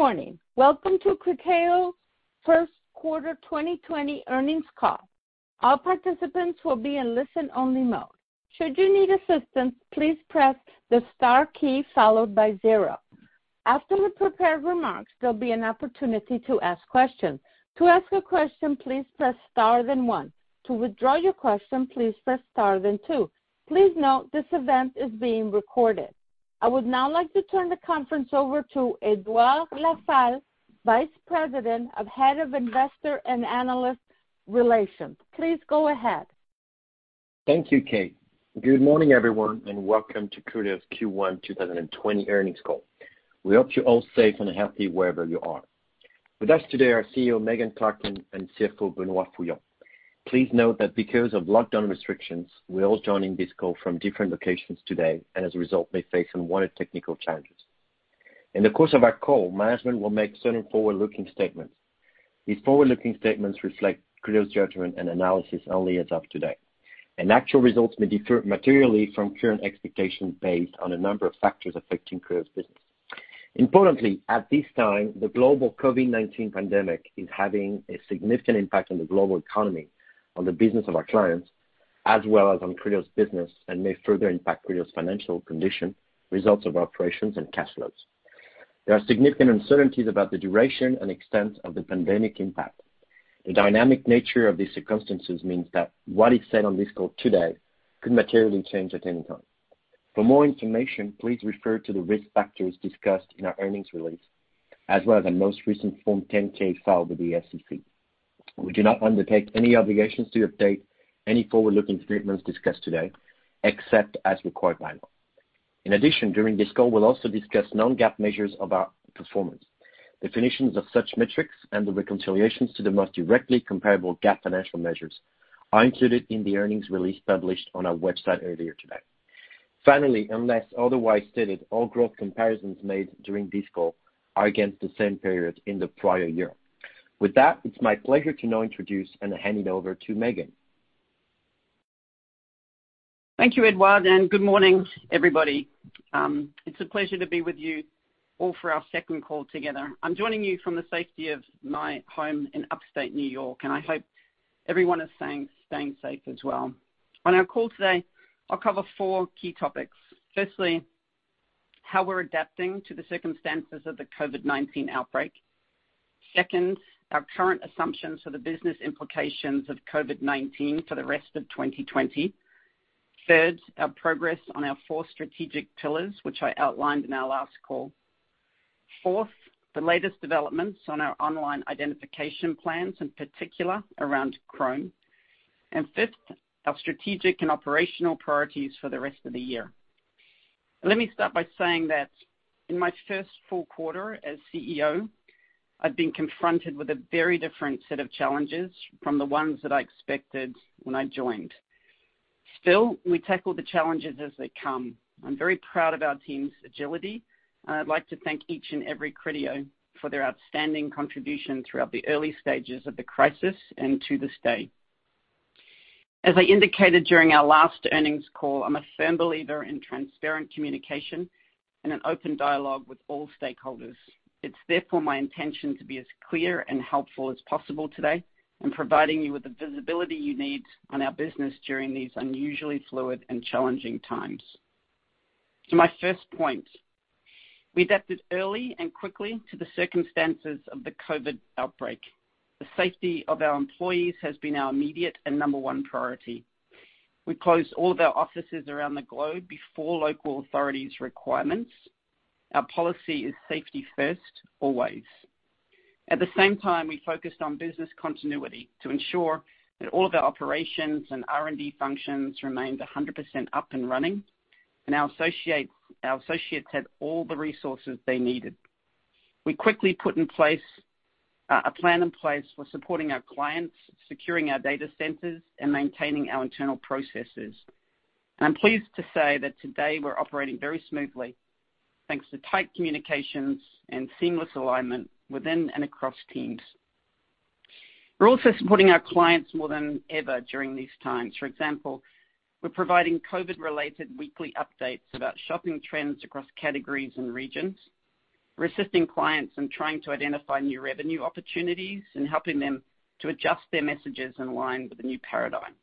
Good morning. Welcome to Criteo's First Quarter 2020 Earnings Call. All participants will be in listen-only mode. Should you need assistance, please press the star key followed by zero. After the prepared remarks, there will be an opportunity to ask questions. To ask a question, please press star then one. To withdraw your question, please press star then two. Please note this event is being recorded. I would now like to turn the conference over to Edouard Lassalle, Vice President and Head of Investor and Analyst Relations. Please go ahead. Thank you, Kate. Good morning, everyone, and welcome to Criteo's Q1 2020 earnings call. We hope you're all safe and healthy wherever you are. With us today are CEO Megan Clarken and CFO Benoit Fouilland. Please note that because of lockdown restrictions, we're all joining this call from different locations today, and as a result, may face unwanted technical challenges. In the course of our call, management will make certain forward-looking statements. These forward-looking statements reflect Criteo's judgment and analysis only as of today. Actual results may differ materially from current expectations based on a number of factors affecting Criteo's business. Importantly, at this time, the global COVID-19 pandemic is having a significant impact on the global economy, on the business of our clients, as well as on Criteo's business, and may further impact Criteo's financial condition, results of operations, and cash flows. There are significant uncertainties about the duration and extent of the pandemic impact. The dynamic nature of these circumstances means that what is said on this call today could materially change at any time. For more information, please refer to the risk factors discussed in our earnings release, as well as our most recent Form 10-K filed with the SEC. We do not undertake any obligations to update any forward-looking statements discussed today, except as required by law. In addition, during this call, we'll also discuss non-GAAP measures of our performance. Definitions of such metrics and the reconciliations to the most directly comparable GAAP financial measures are included in the earnings release published on our website earlier today. Finally, unless otherwise stated, all growth comparisons made during this call are against the same period in the prior year. With that, it's my pleasure to now introduce and hand it over to Megan. Thank you, Edouard, and good morning, everybody. It's a pleasure to be with you all for our second call together. I'm joining you from the safety of my home in Upstate New York, and I hope everyone is staying safe as well. On our call today, I'll cover four key topics. Firstly, how we're adapting to the circumstances of the COVID-19 outbreak. Second, our current assumptions for the business implications of COVID-19 for the rest of 2020. Third, our progress on our four strategic pillars, which I outlined in our last call. Fourth, the latest developments on our online identification plans, in particular around Chrome. And fifth, our strategic and operational priorities for the rest of the year. Let me start by saying that in my first full quarter as CEO, I've been confronted with a very different set of challenges from the ones that I expected when I joined. Still, we tackle the challenges as they come. I'm very proud of our team's agility, and I'd like to thank each and every Criteo for their outstanding contribution throughout the early stages of the crisis and to this day. As I indicated during our last earnings call, I'm a firm believer in transparent communication and an open dialogue with all stakeholders. It's therefore my intention to be as clear and helpful as possible today in providing you with the visibility you need on our business during these unusually fluid and challenging times. To my first point, we adapted early and quickly to the circumstances of the COVID outbreak. The safety of our employees has been our immediate and number one priority. We closed all of our offices around the globe before local authorities' requirements. Our policy is safety first, always. At the same time, we focused on business continuity to ensure that all of our operations and R&D functions remained 100% up and running, and our associates had all the resources they needed. We quickly put a plan in place for supporting our clients, securing our data centers, and maintaining our internal processes. I'm pleased to say that today we're operating very smoothly thanks to tight communications and seamless alignment within and across teams. We're also supporting our clients more than ever during these times. For example, we're providing COVID-related weekly updates about shopping trends across categories and regions. We're assisting clients in trying to identify new revenue opportunities and helping them to adjust their messages in line with the new paradigm.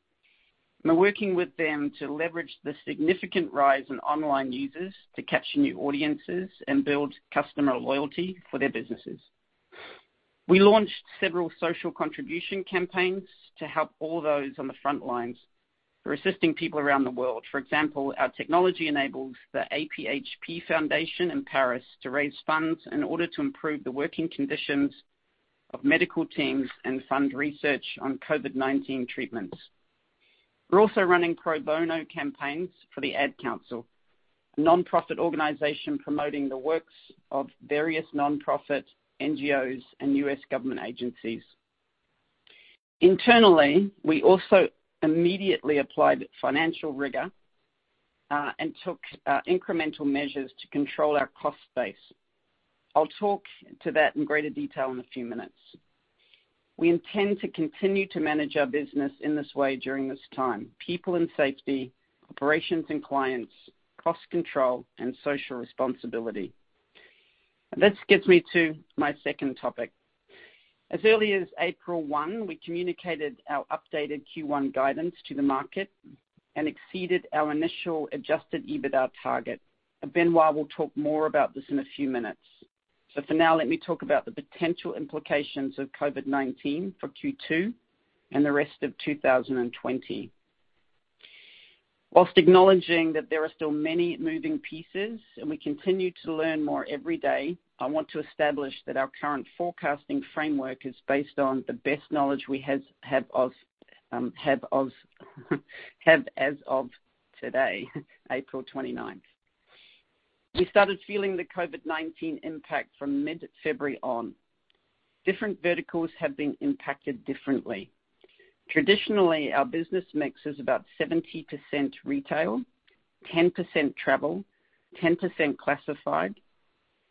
We're working with them to leverage the significant rise in online users to capture new audiences and build customer loyalty for their businesses. We launched several social contribution campaigns to help all those on the front lines. We're assisting people around the world. For example, our technology enables the AP-HP Foundation in Paris to raise funds in order to improve the working conditions of medical teams and fund research on COVID-19 treatments. We're also running pro bono campaigns for the Ad Council, a nonprofit organization promoting the works of various nonprofit NGOs and U.S. government agencies. Internally, we also immediately applied financial rigor and took incremental measures to control our cost base. I'll talk to that in greater detail in a few minutes. We intend to continue to manage our business in this way during this time: people in safety, operations and clients, cost control, and social responsibility. This gets me to my second topic. As early as April 1, we communicated our updated Q1 guidance to the market and exceeded our initial adjusted EBITDA target. Benoit will talk more about this in a few minutes. For now, let me talk about the potential implications of COVID-19 for Q2 and the rest of 2020. Whilst acknowledging that there are still many moving pieces and we continue to learn more every day, I want to establish that our current forecasting framework is based on the best knowledge we have as of today, April 29. We started feeling the COVID-19 impact from mid-February on. Different verticals have been impacted differently. Traditionally, our business mixes about 70% retail, 10% travel, 10% classified,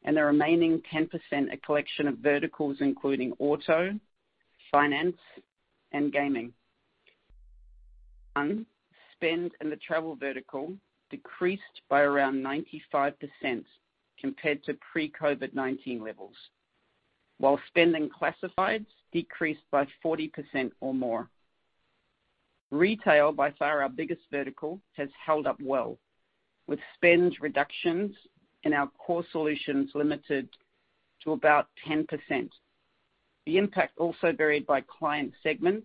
and the remaining 10% a collection of verticals including auto, finance, and gaming. Spend in the travel vertical decreased by around 95% compared to pre-COVID-19 levels, while spend in classifieds decreased by 40% or more. Retail, by far our biggest vertical, has held up well, with spend reductions in our core solutions limited to about 10%. The impact also varied by client segment,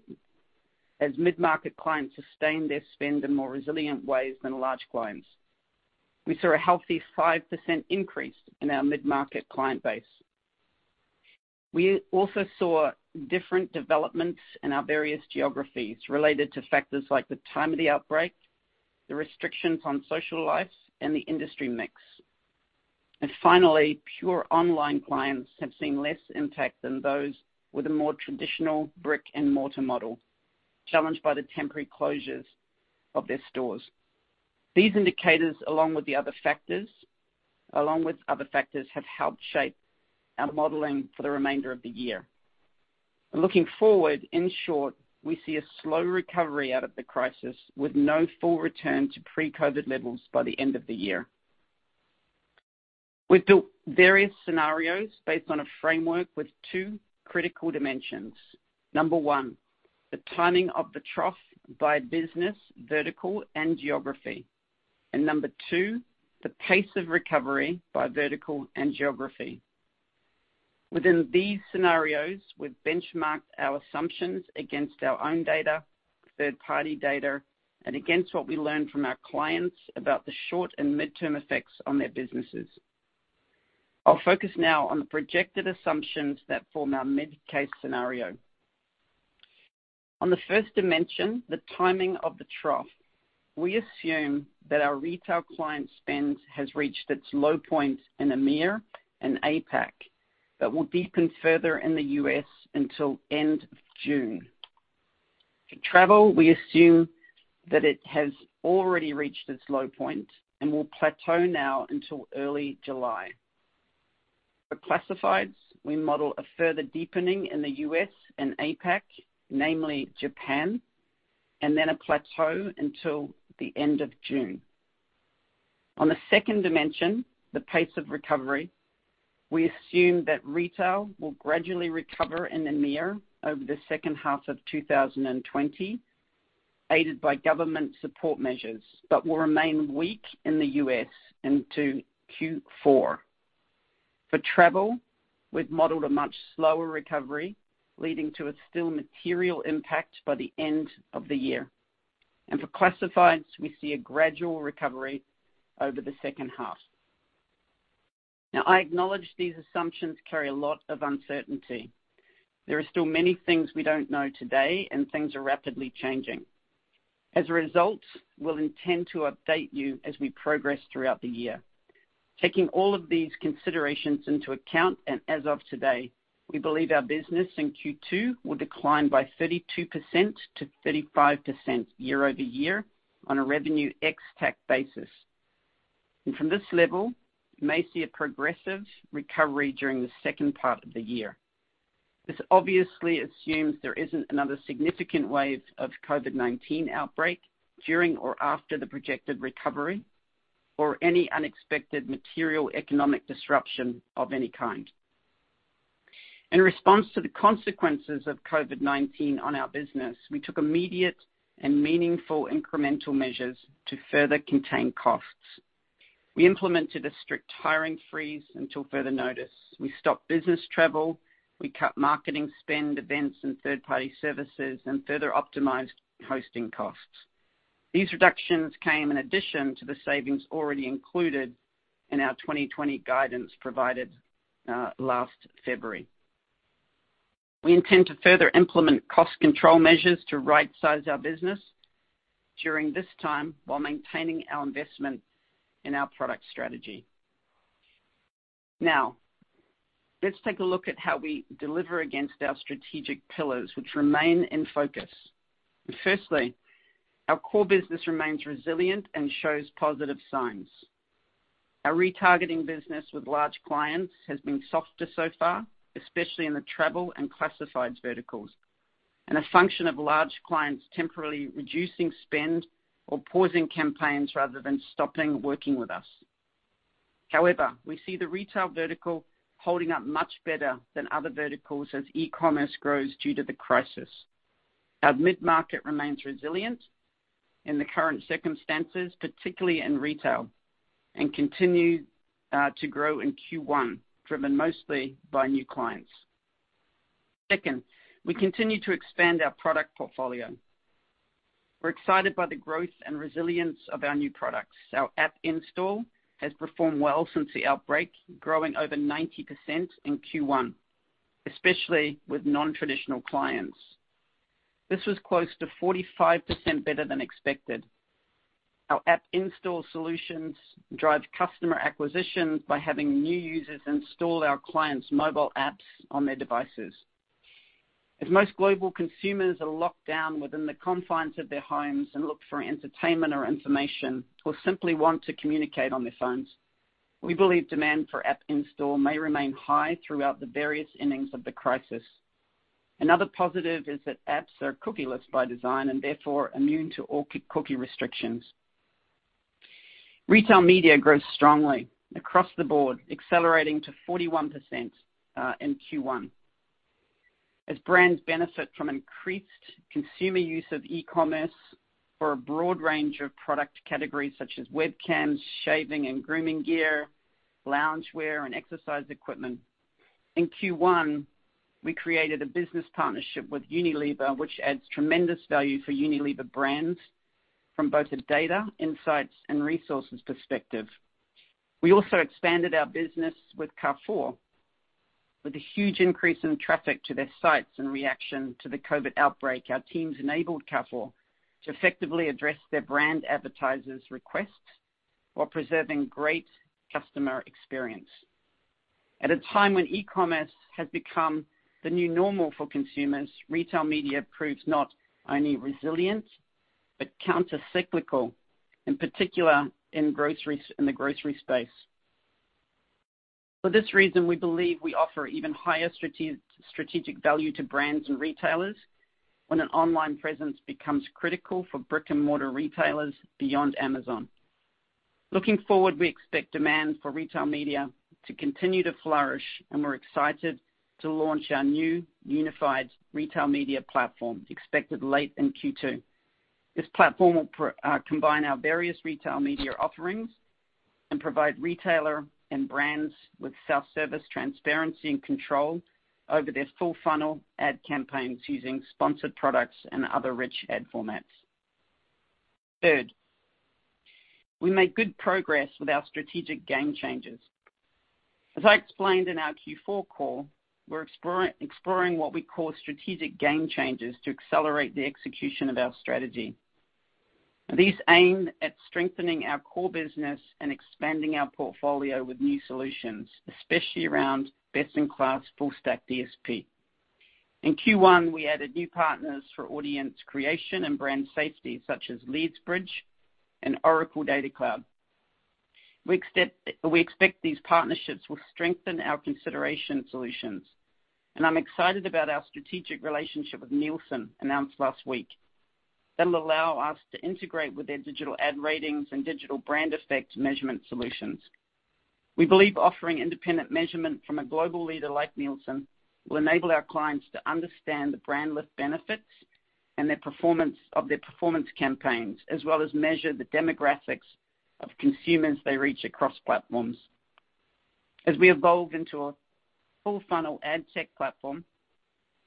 as mid-market clients sustained their spend in more resilient ways than large clients. We saw a healthy 5% increase in our mid-market client base. We also saw different developments in our various geographies related to factors like the time of the outbreak, the restrictions on social life, and the industry mix. Finally, pure online clients have seen less impact than those with a more traditional brick-and-mortar model, challenged by the temporary closures of their stores. These indicators, along with the other factors, have helped shape our modeling for the remainder of the year. Looking forward, in short, we see a slow recovery out of the crisis with no full return to pre-COVID levels by the end of the year. We've built various scenarios based on a framework with two critical dimensions. Number one, the timing of the trough by business, vertical, and geography. Number two, the pace of recovery by vertical and geography. Within these scenarios, we've benchmarked our assumptions against our own data, third-party data, and against what we learned from our clients about the short and midterm effects on their businesses. I'll focus now on the projected assumptions that form our mid-case scenario. On the first dimension, the timing of the trough, we assume that our retail client spend has reached its low point in EMEA and APAC, but will deepen further in the U.S. until end of June. For travel, we assume that it has already reached its low point and will plateau now until early July. For classifieds, we model a further deepening in the U.S. and APAC, namely Japan, and then a plateau until the end of June. On the second dimension, the pace of recovery, we assume that retail will gradually recover in EMEA over the second half of 2020, aided by government support measures, but will remain weak in the U.S. into Q4. For travel, we have modeled a much slower recovery leading to a still material impact by the end of the year. For classifieds, we see a gradual recovery over the second half. I acknowledge these assumptions carry a lot of uncertainty. There are still many things we do not know today, and things are rapidly changing. As a result, we will intend to update you as we progress throughout the year. Taking all of these considerations into account, and as of today, we believe our business in Q2 will decline by 32%-35% year-over-year on a Revenue ex-TAC basis. From this level, we may see a progressive recovery during the second part of the year. This obviously assumes there is not another significant wave of COVID-19 outbreak during or after the projected recovery or any unexpected material economic disruption of any kind. In response to the consequences of COVID-19 on our business, we took immediate and meaningful incremental measures to further contain costs. We implemented a strict hiring freeze until further notice. We stopped business travel. We cut marketing spend, events, and third-party services, and further optimized hosting costs. These reductions came in addition to the savings already included in our 2020 guidance provided last February. We intend to further implement cost control measures to right-size our business during this time while maintaining our investment in our product strategy. Now, let's take a look at how we deliver against our strategic pillars, which remain in focus. Firstly, our core business remains resilient and shows positive signs. Our retargeting business with large clients has been softer so far, especially in the travel and classifieds verticals, and a function of large clients temporarily reducing spend or pausing campaigns rather than stopping working with us. However, we see the retail vertical holding up much better than other verticals as e-commerce grows due to the crisis. Our mid-market remains resilient in the current circumstances, particularly in retail, and continues to grow in Q1, driven mostly by new clients. Second, we continue to expand our product portfolio. We're excited by the growth and resilience of our new products. Our App Install has performed well since the outbreak, growing over 90% in Q1, especially with non-traditional clients. This was close to 45% better than expected. Our App Install solutions drive customer acquisition by having new users install our clients' mobile apps on their devices. As most global consumers are locked down within the confines of their homes and look for entertainment or information or simply want to communicate on their phones, we believe demand for App Install may remain high throughout the various innings of the crisis. Another positive is that apps are cookieless by design and therefore immune to all cookie restrictions. Retail Media grows strongly across the board, accelerating to 41% in Q1. As brands benefit from increased consumer use of e-commerce for a broad range of product categories such as webcams, shaving and grooming gear, loungewear, and exercise equipment, in Q1, we created a business partnership with Unilever, which adds tremendous value for Unilever brands from both a data, insights, and resources perspective. We also expanded our business with Carrefour. With a huge increase in traffic to their sites and reaction to the COVID outbreak, our teams enabled Carrefour to effectively address their brand advertisers' requests while preserving great customer experience. At a time when e-commerce has become the new normal for consumers, Retail Media proves not only resilient but countercyclical, in particular in the grocery space. For this reason, we believe we offer even higher strategic value to brands and retailers when an online presence becomes critical for brick-and-mortar retailers beyond Amazon. Looking forward, we expect demand for Retail Media to continue to flourish, and we're excited to launch our new unified Retail Media platform expected late in Q2. This platform will combine our various Retail Media offerings and provide retailers and brands with self-service transparency and control over their full-funnel ad campaigns using sponsored products and other rich ad formats. Third, we make good progress with our strategic game changers. As I explained in our Q4 call, we're exploring what we call strategic game changers to accelerate the execution of our strategy. These aim at strengthening our core business and expanding our portfolio with new solutions, especially around best-in-class full-stack DSP. In Q1, we added new partners for audience creation and brand safety such as Leadsbridge and Oracle Data Cloud. We expect these partnerships will strengthen our consideration solutions, and I'm excited about our strategic relationship with Nielsen, announced last week. That'll allow us to integrate with their Digital Ad Ratings and Digital Brand Effect measurement solutions. We believe offering independent measurement from a global leader like Nielsen will enable our clients to understand the brand lift benefits and the performance of their performance campaigns, as well as measure the demographics of consumers they reach across platforms. As we evolve into a full-funnel ad tech platform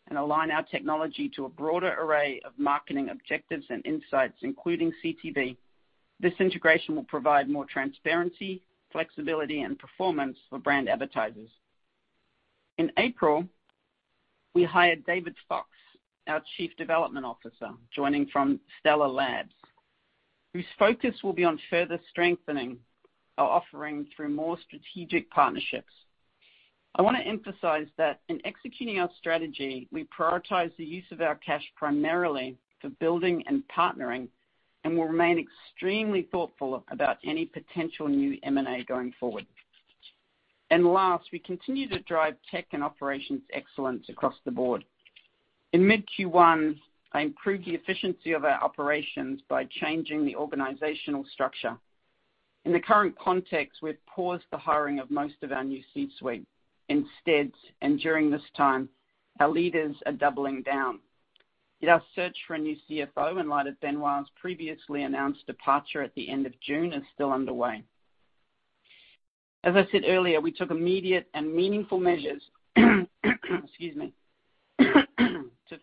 and align our technology to a broader array of marketing objectives and insights, including CTV, this integration will provide more transparency, flexibility, and performance for brand advertisers. In April, we hired David Fox, our Chief Development Officer, joining from Stellar Labs, whose focus will be on further strengthening our offering through more strategic partnerships. I want to emphasize that in executing our strategy, we prioritize the use of our cash primarily for building and partnering and will remain extremely thoughtful about any potential new M&A going forward. Last, we continue to drive tech and operations excellence across the board. In mid-Q1, I improved the efficiency of our operations by changing the organizational structure. In the current context, we've paused the hiring of most of our new C-suite. Instead, and during this time, our leaders are doubling down. Yet our search for a new CFO, in light of Benoit's previously announced departure at the end of June, is still underway. As I said earlier, we took immediate and meaningful measures to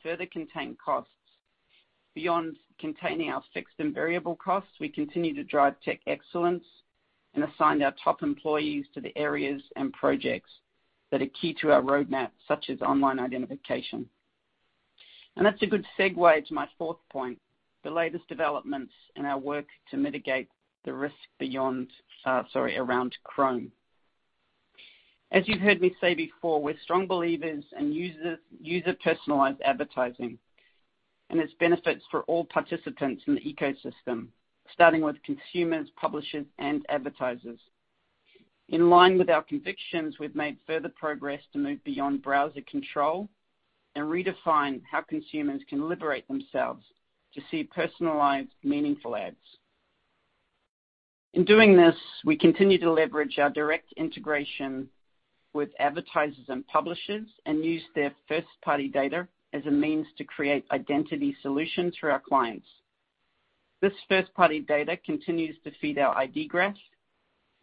further contain costs. Beyond containing our fixed and variable costs, we continue to drive tech excellence and assign our top employees to the areas and projects that are key to our roadmap, such as online identification. That is a good segue to my fourth point, the latest developments in our work to mitigate the risk around Chrome. As you've heard me say before, we're strong believers in user-personalized advertising and its benefits for all participants in the ecosystem, starting with consumers, publishers, and advertisers. In line with our convictions, we've made further progress to move beyond browser control and redefine how consumers can liberate themselves to see personalized, meaningful ads. In doing this, we continue to leverage our direct integration with advertisers and publishers and use their first-party data as a means to create identity solutions for our clients. This first-party data continues to feed our ID Graph,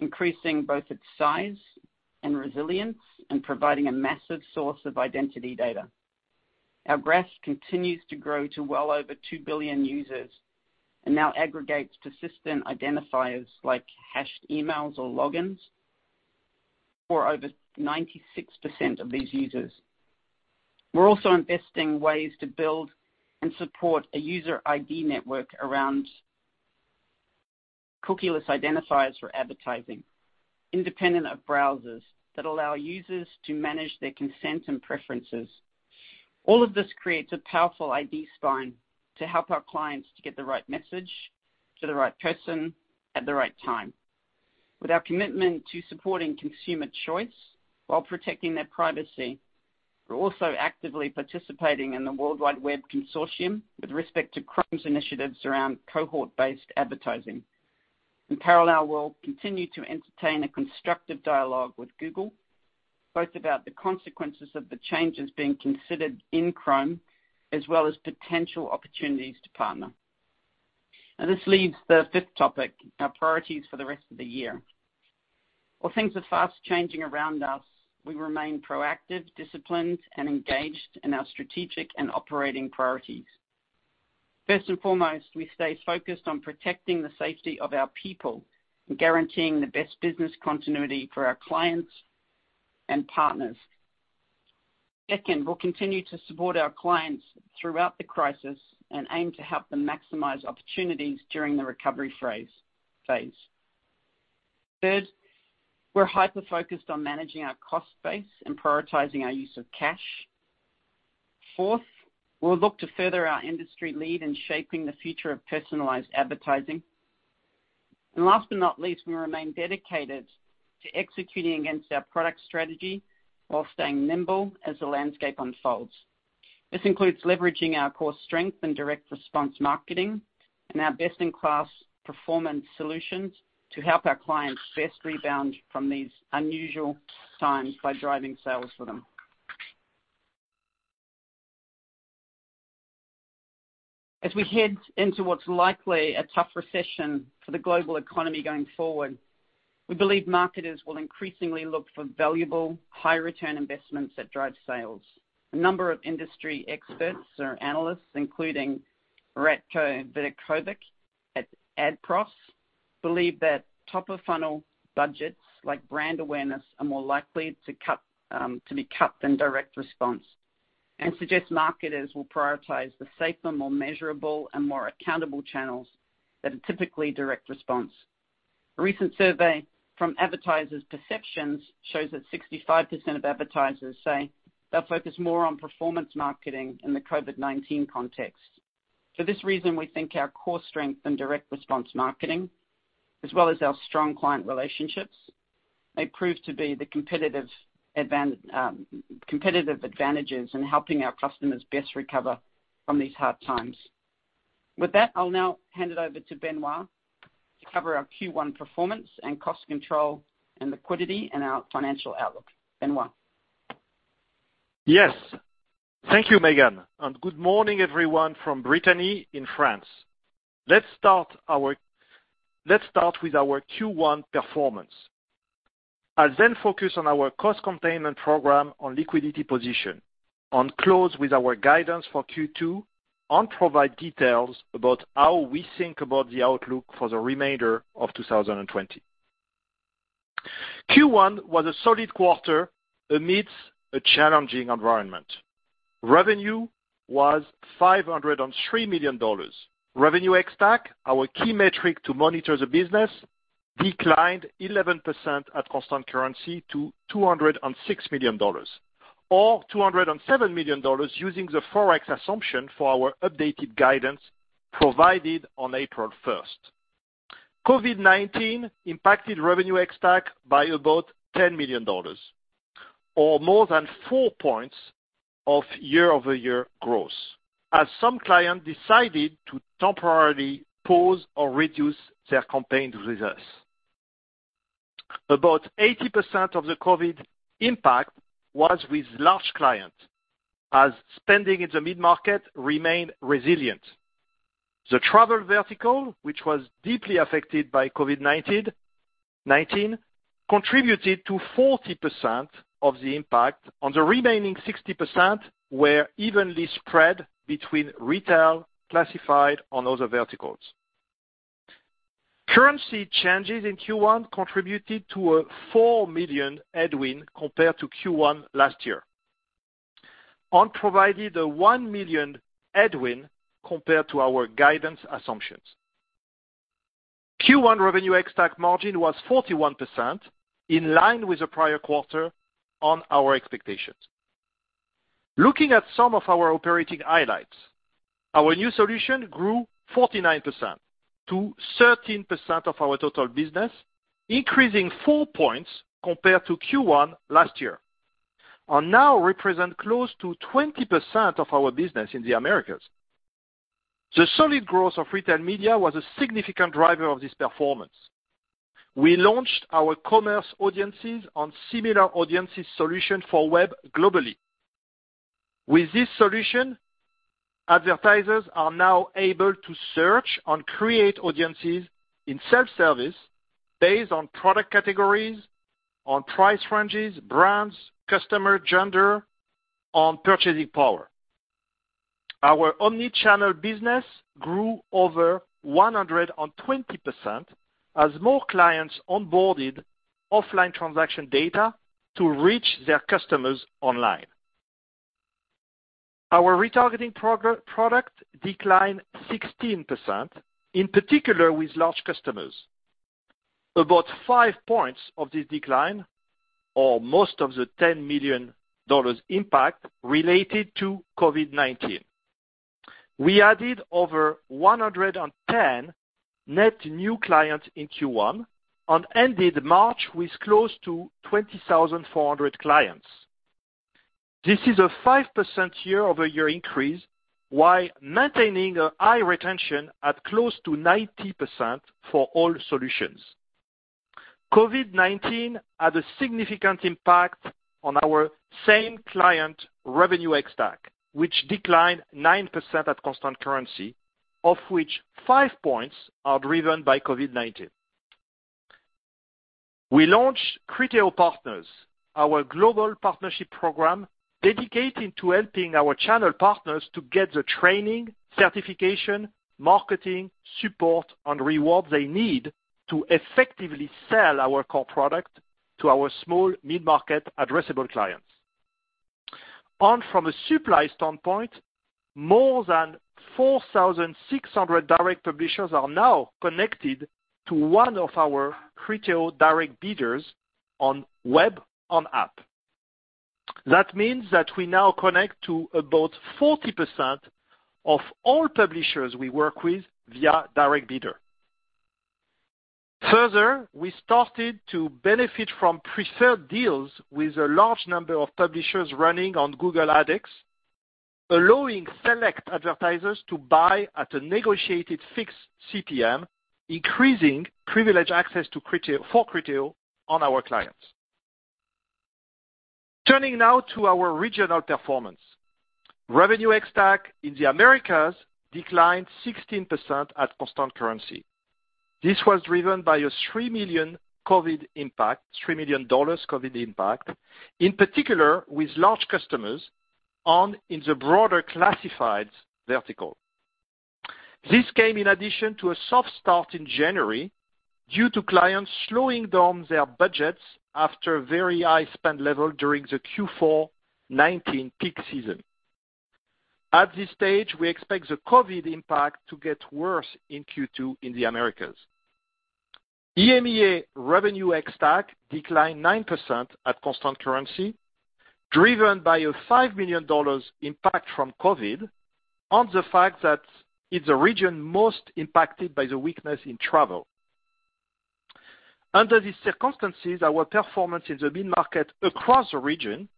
increasing both its size and resilience and providing a massive source of identity data. Our graph continues to grow to well over 2 billion users and now aggregates persistent identifiers like hashed emails or logins for over 96% of these users. We're also investing in ways to build and support a user ID network around cookieless identifiers for advertising, independent of browsers, that allow users to manage their consent and preferences. All of this creates a powerful ID spine to help our clients to get the right message to the right person at the right time. With our commitment to supporting consumer choice while protecting their privacy, we're also actively participating in the World Wide Web Consortium with respect to Chrome's initiatives around cohort-based advertising. In parallel, we'll continue to entertain a constructive dialogue with Google, both about the consequences of the changes being considered in Chrome as well as potential opportunities to partner. This leaves the fifth topic, our priorities for the rest of the year. While things are fast-changing around us, we remain proactive, disciplined, and engaged in our strategic and operating priorities. First and foremost, we stay focused on protecting the safety of our people and guaranteeing the best business continuity for our clients and partners. Second, we'll continue to support our clients throughout the crisis and aim to help them maximize opportunities during the recovery phase. Third, we're hyper-focused on managing our cost base and prioritizing our use of cash. Fourth, we'll look to further our industry lead in shaping the future of personalized advertising. Last but not least, we remain dedicated to executing against our product strategy while staying nimble as the landscape unfolds. This includes leveraging our core strength in direct response marketing and our best-in-class performance solutions to help our clients best rebound from these unusual times by driving sales for them. As we head into what is likely a tough recession for the global economy going forward, we believe marketers will increasingly look for valuable, high-return investments that drive sales. A number of industry experts or analysts, including Ratko Vidakovic at AdProfs, believe that top-of-funnel budgets like brand awareness are more likely to be cut than direct response. They suggest marketers will prioritize the safer, more measurable, and more accountable channels that are typically direct response. A recent survey from Advertiser Perceptions shows that 65% of advertisers say they will focus more on performance marketing in the COVID-19 context. For this reason, we think our core strength in direct response marketing, as well as our strong client relationships, may prove to be the competitive advantages in helping our customers best recover from these hard times. With that, I'll now hand it over to Benoit to cover our Q1 performance and cost control and liquidity and our financial outlook. Benoit. Yes. Thank you, Megan. Good morning, everyone, from Brittany in France. Let's start with our Q1 performance. I'll then focus on our cost containment program, on liquidity position, close with our guidance for Q2, and provide details about how we think about the outlook for the remainder of 2020. Q1 was a solid quarter amidst a challenging environment. Revenue was $503 million. Revenue ex-TAC, our key metric to monitor the business, declined 11% at constant currency to $206 million, or $207 million using the forex assumption for our updated guidance provided on April 1st. COVID-19 impacted Revenue ex-TAC by about $10 million, or more than four points of year-over-year growth, as some clients decided to temporarily pause or reduce their campaign reserves. About 80% of the COVID impact was with large clients, as spending in the mid-market remained resilient. The travel vertical, which was deeply affected by COVID-19, contributed to 40% of the impact, and the remaining 60% were evenly spread between retail, classified, and other verticals. Currency changes in Q1 contributed to a $4 million headwind compared to Q1 last year, and provided a $1 million headwind compared to our guidance assumptions. Q1 Revenue ex-TAC margin was 41%, in line with the prior quarter and our expectations. Looking at some of our operating highlights, our new solution grew 49% to 13% of our total business, increasing four percentage points compared to Q1 last year, and now represents close to 20% of our business in the Americas. The solid growth of Retail Media was a significant driver of this performance. We launched our Commerce Audiences on Similar Audiences solution for web globally. With this solution, advertisers are now able to search and create audiences in self-service based on product categories, on price ranges, brands, customer gender, and purchasing power. Our omnichannel business grew over 120% as more clients onboarded offline transaction data to reach their customers online. Our retargeting product declined 16%, in particular with large customers. About five points of this decline, or most of the $10 million impact, related to COVID-19. We added over 110 net new clients in Q1 and ended March with close to 20,400 clients. This is a 5% year-over-year increase, while maintaining a high retention at close to 90% for all solutions. COVID-19 had a significant impact on our same client Revenue ex-TAC, which declined 9% at constant currency, of which five points are driven by COVID-19. We launched Criteo Partners, our global partnership program dedicated to helping our channel partners to get the training, certification, marketing, support, and rewards they need to effectively sell our core product to our small mid-market addressable clients. From a supply standpoint, more than 4,600 direct publishers are now connected to one of our Criteo Direct Bidders on web and app. That means that we now connect to about 40% of all publishers we work with via Direct Bidder. Further, we started to benefit from preferred deals with a large number of publishers running on Google AdX, allowing select advertisers to buy at a negotiated fixed CPM, increasing privilege access for Criteo on our clients. Turning now to our regional performance, Revenue ex-TAC in the Americas declined 16% at constant currency. This was driven by a $3 million COVID impact, $3 million COVID impact, in particular with large customers and in the broader classifieds vertical. This came in addition to a soft start in January due to clients slowing down their budgets after very high spend level during the Q4 2019 peak season. At this stage, we expect the COVID impact to get worse in Q2 in the Americas. EMEA Revenue ex-TAC declined 9% at constant currency, driven by a $5 million impact from COVID and the fact that it's a region most impacted by the weakness in travel. Under these circumstances, our performance in the mid-market across the region,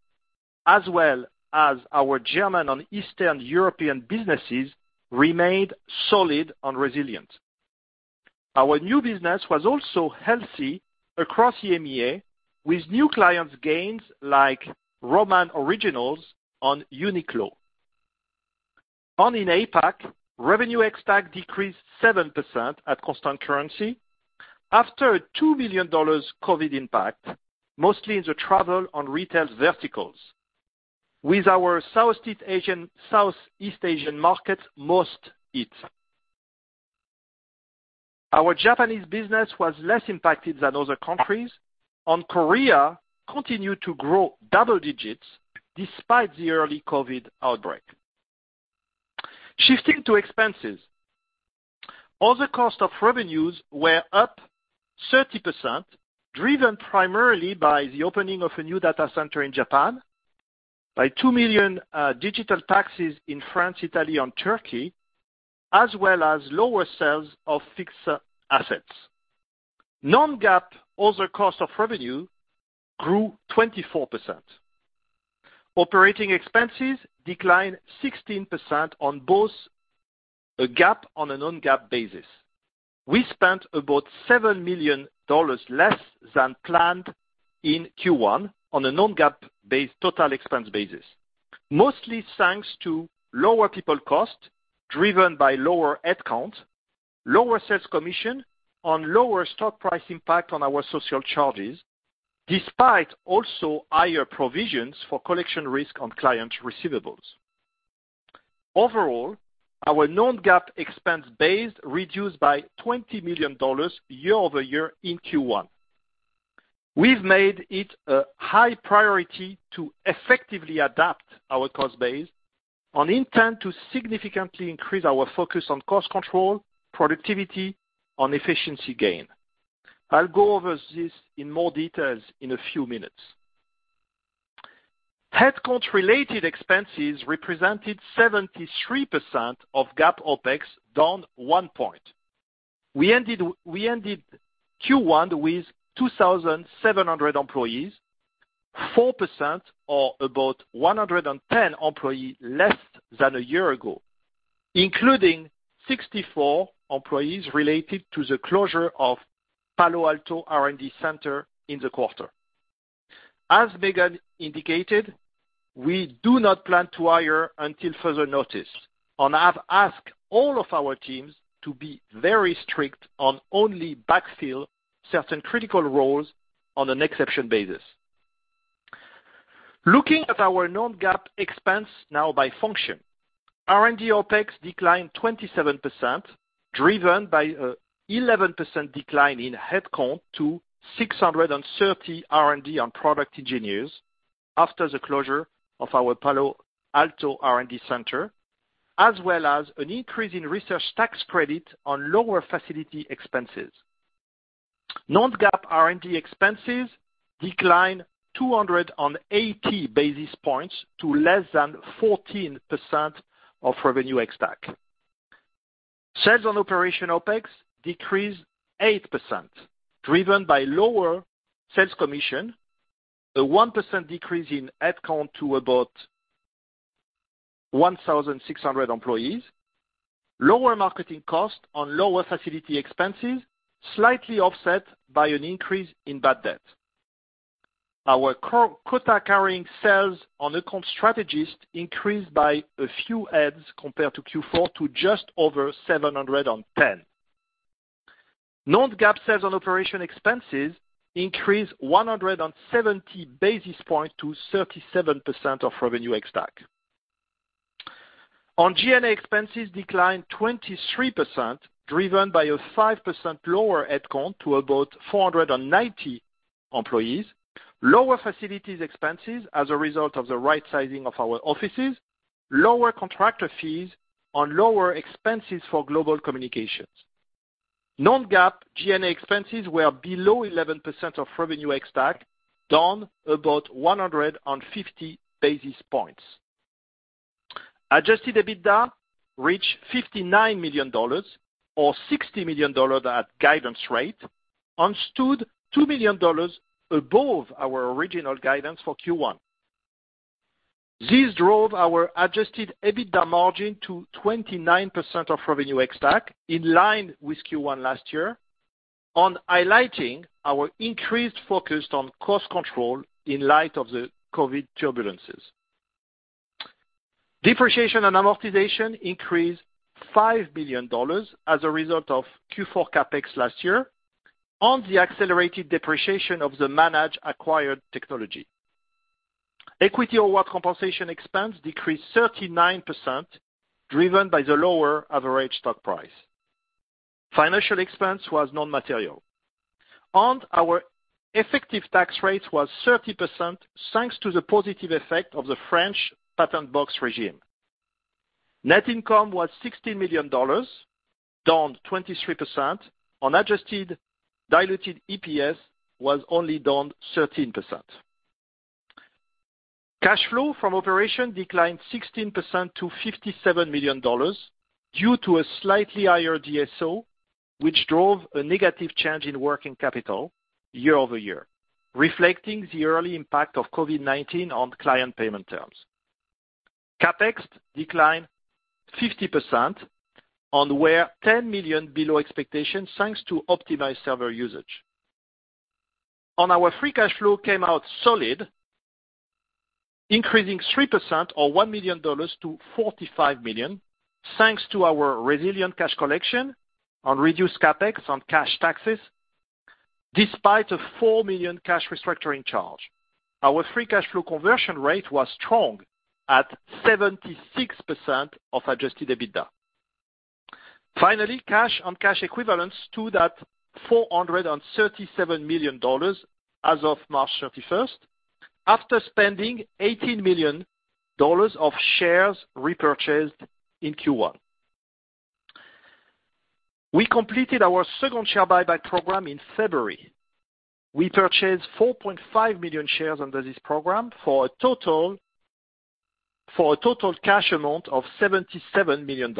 as well as our German and Eastern European businesses, remained solid and resilient. Our new business was also healthy across EMEA, with new clients' gains like Roman Originals and Uniqlo. In APAC, Revenue ex-TAC decreased 7% at constant currency after a $2 million COVID impact, mostly in the travel and retail verticals, with our Southeast Asian markets most hit. Our Japanese business was less impacted than other countries, and Korea continued to grow double digits despite the early COVID outbreak. Shifting to expenses, all the cost of revenues were up 30%, driven primarily by the opening of a new data center in Japan, by $2 million digital taxes in France, Italy, and Turkey, as well as lower sales of fixed assets. Non-GAAP, all the cost of revenue grew 24%. Operating expenses declined 16% on both a GAAP and a non-GAAP basis. We spent about $7 million less than planned in Q1 on a non-GAAP total expense basis, mostly thanks to lower people cost driven by lower headcount, lower sales commission, and lower stock price impact on our social charges, despite also higher provisions for collection risk on client receivables. Overall, our non-GAAP expense base reduced by $20 million year-over-year in Q1. We've made it a high priority to effectively adapt our cost base and intend to significantly increase our focus on cost control, productivity, and efficiency gain. I'll go over this in more details in a few minutes. Headcount-related expenses represented 73% of GAAP OpEx, down one point. We ended Q1 with 2,700 employees, 4% or about 110 employees less than a year ago, including 64 employees related to the closure of Palo Alto R&D Center in the quarter. As Megan indicated, we do not plan to hire until further notice, and I've asked all of our teams to be very strict and only backfill certain critical roles on an exception basis. Looking at our non-GAAP expense now by function, R&D OpEx declined 27%, driven by an 11% decline in headcount to 630 R&D and product engineers after the closure of our Palo Alto R&D Center, as well as an increase in research tax credit on lower facility expenses. Non-GAAP R&D expenses declined 280 basis points to less than 14% of Revenue ex-TAC. Sales and operation OpEx decreased 8%, driven by lower sales commission, a 1% decrease in headcount to about 1,600 employees, lower marketing cost, and lower facility expenses, slightly offset by an increase in bad debt. Our quota-carrying sales and account strategist increased by a few heads compared to Q4 to just over 710. Non-GAAP sales and operation expenses increased 170 basis points to 37% of Revenue ex-TAC. On G&A expenses, declined 23%, driven by a 5% lower headcount to about 490 employees, lower facilities expenses as a result of the right-sizing of our offices, lower contractor fees, and lower expenses for global communications. Non-GAAP G&A expenses were below 11% of Revenue ex-TAC, down about 150 basis points. Adjusted EBITDA reached $59 million or $60 million at guidance rate and stood $2 million above our original guidance for Q1. This drove our adjusted EBITDA margin to 29% of Revenue ex-TAC, in line with Q1 last year, and highlighting our increased focus on cost control in light of the COVID turbulences. Depreciation and amortization increased $5 million as a result of Q4 CapEx last year and the accelerated depreciation of the managed acquired technology. Equity award compensation expense decreased 39%, driven by the lower average stock price. Financial expense was non-material, and our effective tax rate was 30% thanks to the positive effect of the French patent box regime. Net income was $16 million, down 23%, and adjusted diluted EPS was only down 13%. Cash flow from operation declined 16% to $57 million due to a slightly higher DSO, which drove a negative change in working capital year-over-year, reflecting the early impact of COVID-19 on client payment terms. CapEx declined 50% and were $10 million below expectations thanks to optimized server usage. Our free cash flow came out solid, increasing 3% or $1 million to $45 million thanks to our resilient cash collection and reduced CapEx and cash taxes despite a $4 million cash restructuring charge. Our free cash flow conversion rate was strong at 76% of adjusted EBITDA. Finally, cash and cash equivalents stood at $437 million as of March 31st after spending $18 million of shares repurchased in Q1. We completed our second share buyback program in February. We purchased 4.5 million shares under this program for a total cash amount of $77 million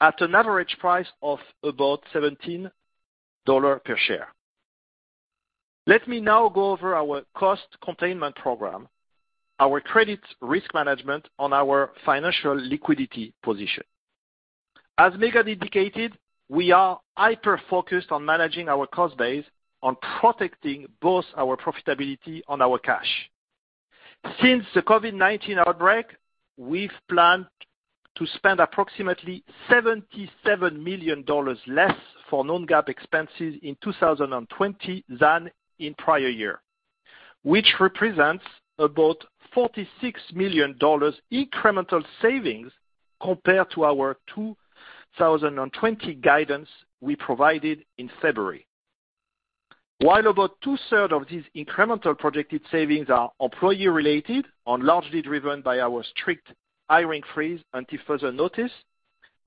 at an average price of about $17 per share. Let me now go over our cost containment program, our credit risk management, and our financial liquidity position. As Megan indicated, we are hyper-focused on managing our cost base and protecting both our profitability and our cash. Since the COVID-19 outbreak, we've planned to spend approximately $77 million less for non-GAAP expenses in 2020 than in prior year, which represents about $46 million incremental savings compared to our 2020 guidance we provided in February. While about 2/3 of these incremental projected savings are employee-related and largely driven by our strict hiring freeze until further notice,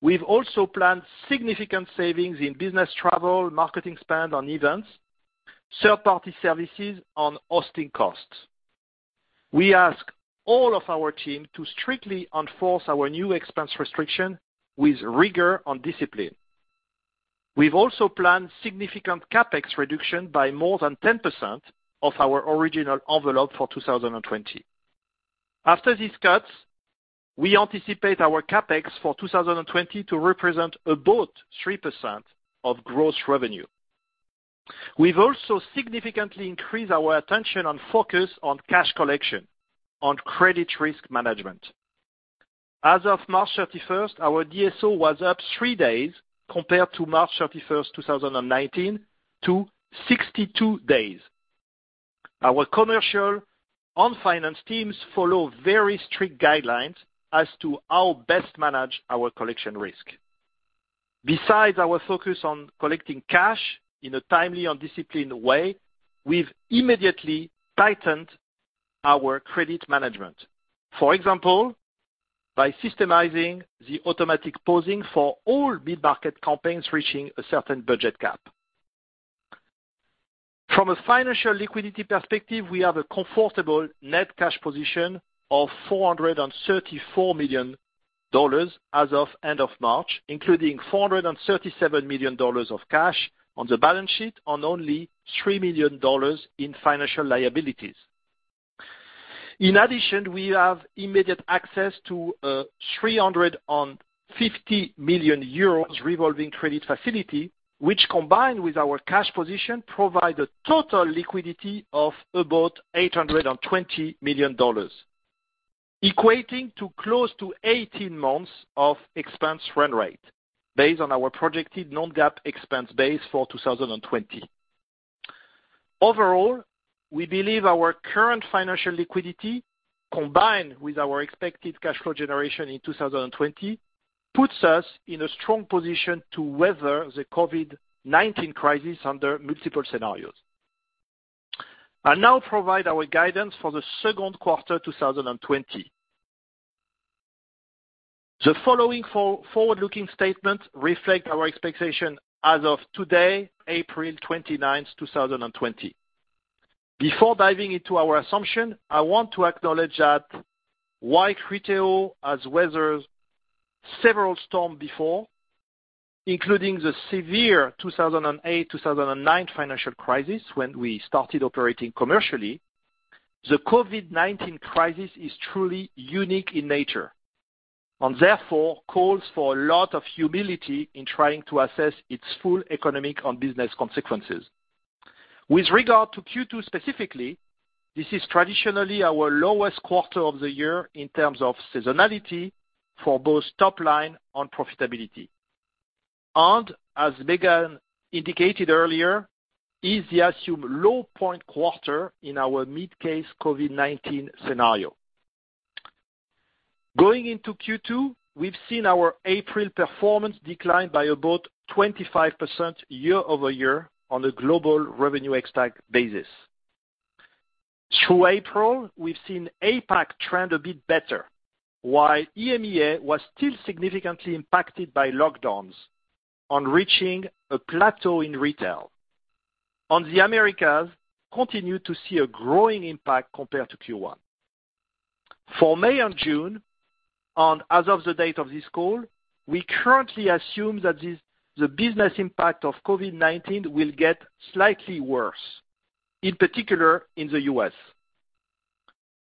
we've also planned significant savings in business travel, marketing spend on events, third-party services, and hosting costs. We ask all of our team to strictly enforce our new expense restriction with rigor and discipline. We've also planned significant CapEx reduction by more than 10% of our original envelope for 2020. After these cuts, we anticipate our CapEx for 2020 to represent about 3% of gross revenue. We've also significantly increased our attention and focus on cash collection and credit risk management. As of March 31st, our DSO was up three days compared to March 31st, 2019, to 62 days. Our commercial and finance teams follow very strict guidelines as to how best manage our collection risk. Besides our focus on collecting cash in a timely and disciplined way, we've immediately tightened our credit management, for example, by systemizing the automatic pausing for all mid-market companies reaching a certain budget cap. From a financial liquidity perspective, we have a comfortable net cash position of $434 million as of end of March, including $437 million of cash on the balance sheet and only $3 million in financial liabilities. In addition, we have immediate access to a 350 million euros revolving credit facility, which, combined with our cash position, provides a total liquidity of about $820 million, equating to close to 18 months of expense run rate based on our projected non-GAAP expense base for 2020. Overall, we believe our current financial liquidity, combined with our expected cash flow generation in 2020, puts us in a strong position to weather the COVID-19 crisis under multiple scenarios and now provide our guidance for the second quarter 2020. The following forward-looking statements reflect our expectation as of today, April 29th, 2020. Before diving into our assumption, I want to acknowledge that while Criteo has weathered several storms before, including the severe 2008-2009 financial crisis when we started operating commercially, the COVID-19 crisis is truly unique in nature and therefore calls for a lot of humility in trying to assess its full economic and business consequences. With regard to Q2 specifically, this is traditionally our lowest quarter of the year in terms of seasonality for both top line and profitability, and as Megan indicated earlier, is the assumed low point quarter in our mid-case COVID-19 scenario. Going into Q2, we've seen our April performance decline by about 25% year-over-year on a global Revenue ex-TAC basis. Through April, we've seen APAC trend a bit better, while EMEA was still significantly impacted by lockdowns and reaching a plateau in retail. The Americas continue to see a growing impact compared to Q1. For May and June, and as of the date of this call, we currently assume that the business impact of COVID-19 will get slightly worse, in particular in the U.S.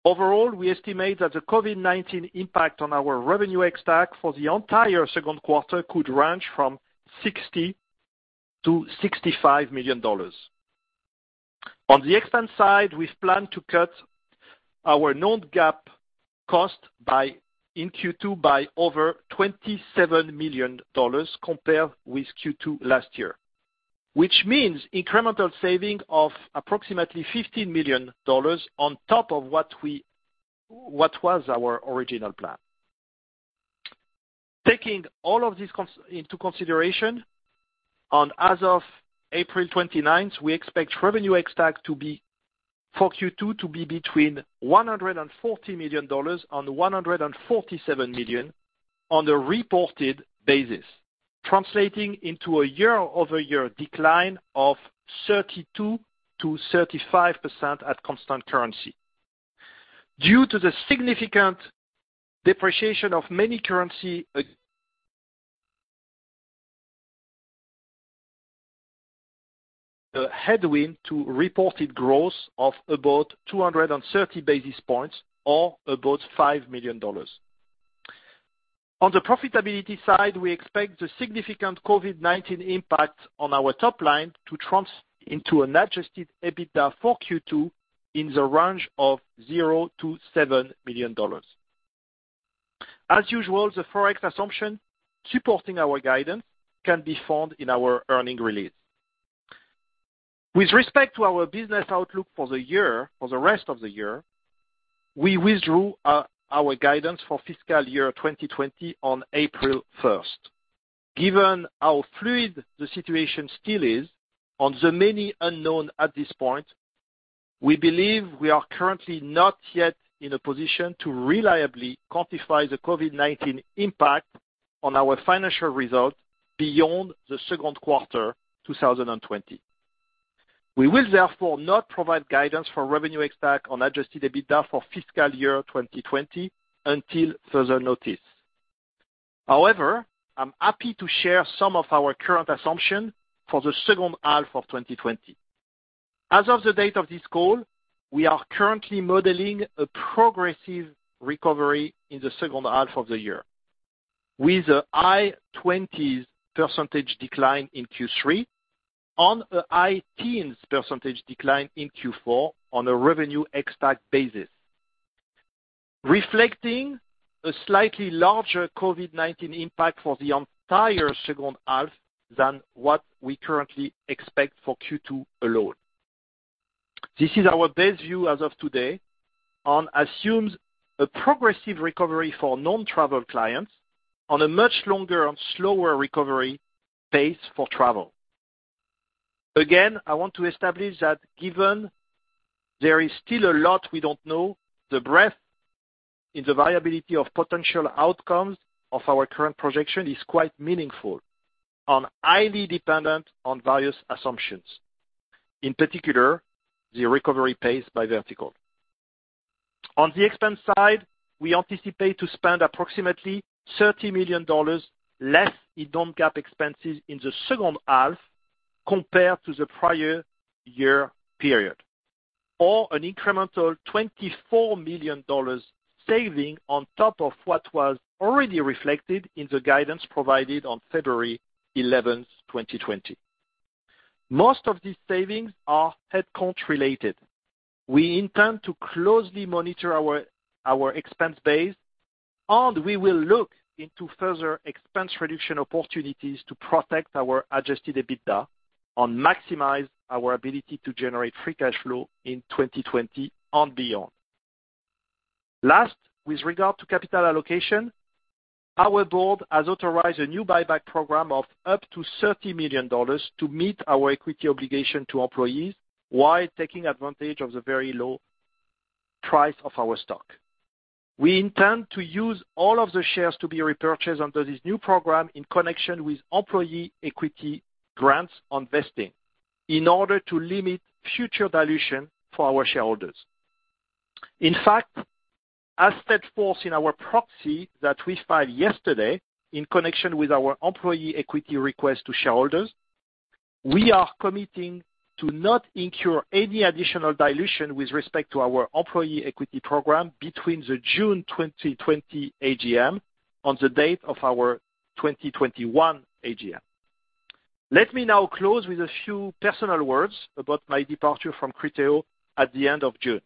Overall, we estimate that the COVID-19 impact on our Revenue ex-TAC for the entire second quarter could range from $60 million-$65 million. On the expense side, we've planned to cut our non-GAAP cost in Q2 by over $27 million compared with Q2 last year, which means incremental saving of approximately $15 million on top of what was our original plan. Taking all of this into consideration, and as of April 29th, we expect revenue ex-TAC for Q2 to be between $140 million and $147 million on a reported basis, translating into a year-over-year decline of 32%-35% at constant currency due to the significant depreciation of many currencies. A headwind to reported growth of about 230 basis points or about $5 million. On the profitability side, we expect the significant COVID-19 impact on our top line to transition into an adjusted EBITDA for Q2 in the range of $0 to $7 million. As usual, the Forex assumption supporting our guidance can be found in our earnings release. With respect to our business outlook for the rest of the year, we withdrew our guidance for fiscal year 2020 on April 1st. Given how fluid the situation still is and the many unknowns at this point, we believe we are currently not yet in a position to reliably quantify the COVID-19 impact on our financial result beyond the second quarter 2020. We will therefore not provide guidance for Revenue ex-TAC and adjusted EBITDA for fiscal year 2020 until further notice. However, I'm happy to share some of our current assumptions for the second half of 2020. As of the date of this call, we are currently modeling a progressive recovery in the second half of the year with a high 20s % decline in Q3 and a high 10s % decline in Q4 on a Revenue ex-TAC basis, reflecting a slightly larger COVID-19 impact for the entire second half than what we currently expect for Q2 alone. This is our base view as of today and assumes a progressive recovery for non-travel clients and a much longer and slower recovery pace for travel. Again, I want to establish that given there is still a lot we do not know, the breadth in the variability of potential outcomes of our current projection is quite meaningful and highly dependent on various assumptions, in particular the recovery pace by vertical. On the expense side, we anticipate to spend approximately $30 million less in non-GAAP expenses in the second half compared to the prior year period or an incremental $24 million saving on top of what was already reflected in the guidance provided on February 11th, 2020. Most of these savings are headcount-related. We intend to closely monitor our expense base, and we will look into further expense reduction opportunities to protect our adjusted EBITDA and maximize our ability to generate free cash flow in 2020 and beyond. Last, with regard to capital allocation, our Board has authorized a new buyback program of up to $30 million to meet our equity obligation to employees while taking advantage of the very low price of our stock. We intend to use all of the shares to be repurchased under this new program in connection with employee equity grants on vesting in order to limit future dilution for our shareholders. In fact, as set forth in our proxy that we filed yesterday in connection with our employee equity request to shareholders, we are committing to not incur any additional dilution with respect to our employee equity program between the June 2020 AGM and the date of our 2021 AGM. Let me now close with a few personal words about my departure from Criteo at the end of June.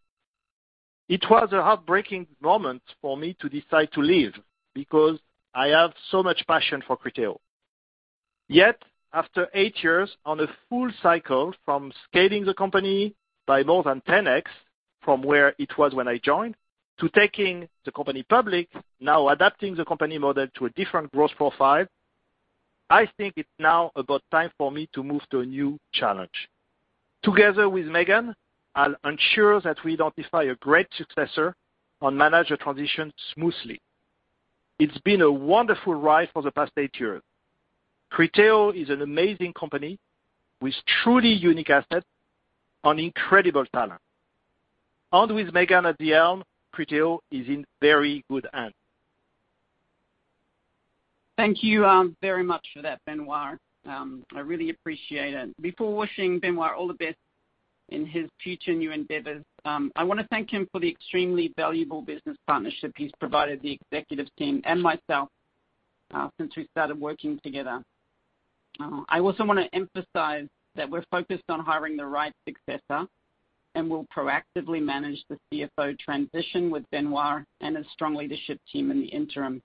It was a heartbreaking moment for me to decide to leave because I have so much passion for Criteo. Yet, after eight years on a full cycle from scaling the company by more than 10x from where it was when I joined to taking the company public, now adapting the company model to a different growth profile, I think it's now about time for me to move to a new challenge. Together with Megan, I'll ensure that we identify a great successor and manage the transition smoothly. It's been a wonderful ride for the past eight years. Criteo is an amazing company with truly unique assets and incredible talent. With Megan at the helm, Criteo is in very good hands. Thank you very much for that, Benoit. I really appreciate it. Before wishing Benoit all the best in his future new endeavors, I want to thank him for the extremely valuable business partnership he's provided the executive team and myself since we started working together. I also want to emphasize that we're focused on hiring the right successor and will proactively manage the CFO transition with Benoit and a strong leadership team in the interim.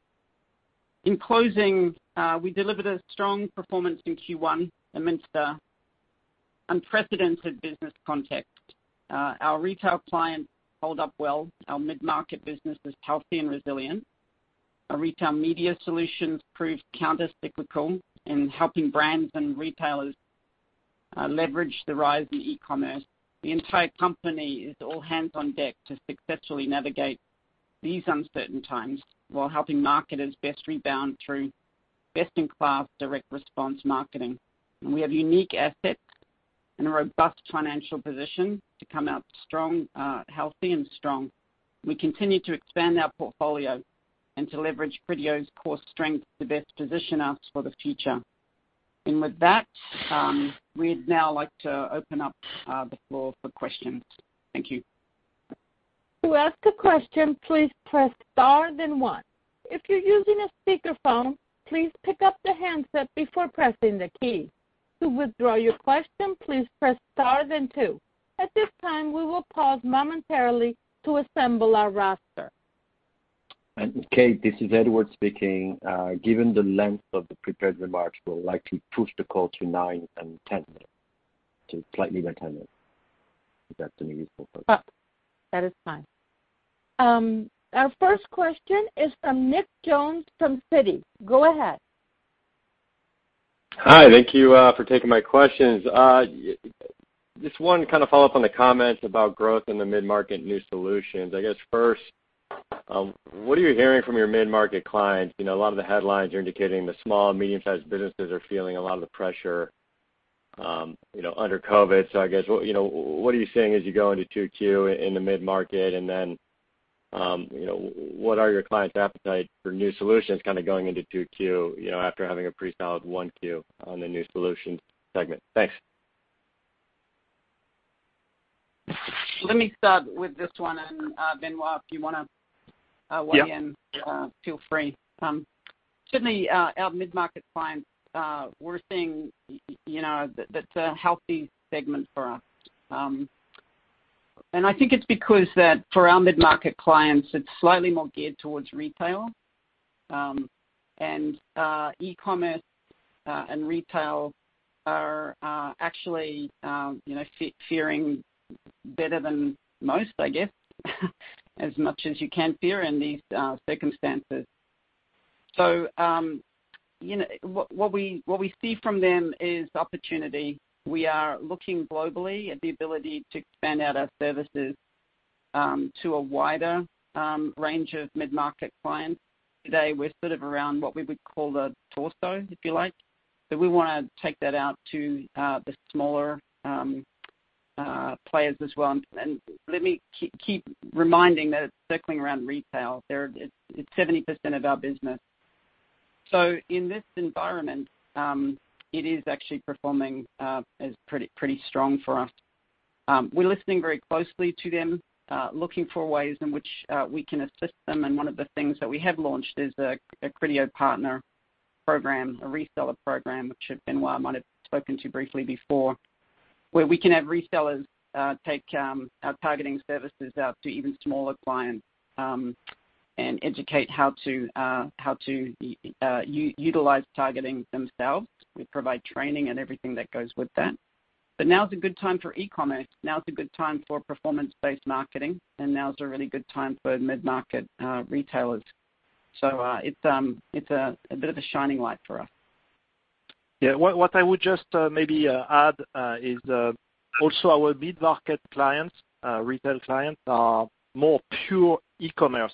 In closing, we delivered a strong performance in Q1 amidst unprecedented business context. Our retail clients hold up well. Our mid-market business is healthy and resilient. Our Retail Media solutions prove countercyclical in helping brands and retailers leverage the rise in e-commerce. The entire company is all hands on deck to successfully navigate these uncertain times while helping marketers best rebound through best-in-class direct response marketing. We have unique assets and a robust financial position to come out healthy and strong. We continue to expand our portfolio and to leverage Criteo's core strengths to best position us for the future. With that, we'd now like to open up the floor for questions. Thank you. To ask a question, please press star then one. If you're using a speakerphone, please pick up the handset before pressing the key. To withdraw your question, please press star then two. At this time, we will pause momentarily to assemble our roster. Okay. This is Edouard speaking. Given the length of the prepared remarks, we'll likely push the call to 9 or 10 minutes, to slightly less than 10 minutes. Is that too useful for us? That is fine. Our first question is from Nick Jones from Citi. Go ahead. Hi. Thank you for taking my questions. Just one kind of follow-up on the comments about growth in the mid-market new solutions. I guess first, what are you hearing from your mid-market clients? A lot of the headlines are indicating the small and medium-sized businesses are feeling a lot of the pressure under COVID. I guess what are you seeing as you go into 2Q in the mid-market? What are your clients' appetite for new solutions kind of going into 2Q after having a pre-sold 1Q on the new solutions segment? Thanks. Let me start with this one. Benoit, if you want to weigh in, feel free. Certainly, our mid-market clients, we're seeing that's a healthy segment for us. I think it's because that for our mid-market clients, it's slightly more geared towards retail. E-commerce and retail are actually faring better than most, I guess, as much as you can fare in these circumstances. What we see from them is opportunity. We are looking globally at the ability to expand out our services to a wider range of mid-market clients. Today, we're sort of around what we would call a torso, if you like. We want to take that out to the smaller players as well. Let me keep reminding that it's circling around retail. It's 70% of our business. In this environment, it is actually performing as pretty strong for us. We're listening very closely to them, looking for ways in which we can assist them. One of the things that we have launched is a Criteo Partners program, a reseller program, which Benoit might have spoken to briefly before, where we can have resellers take our targeting services out to even smaller clients and educate how to utilize targeting themselves. We provide training and everything that goes with that. Now is a good time for e-commerce. Now is a good time for performance-based marketing. Now is a really good time for mid-market retailers. It is a bit of a shining light for us. Yeah. What I would just maybe add is also our mid-market clients, retail clients, are more pure e-commerce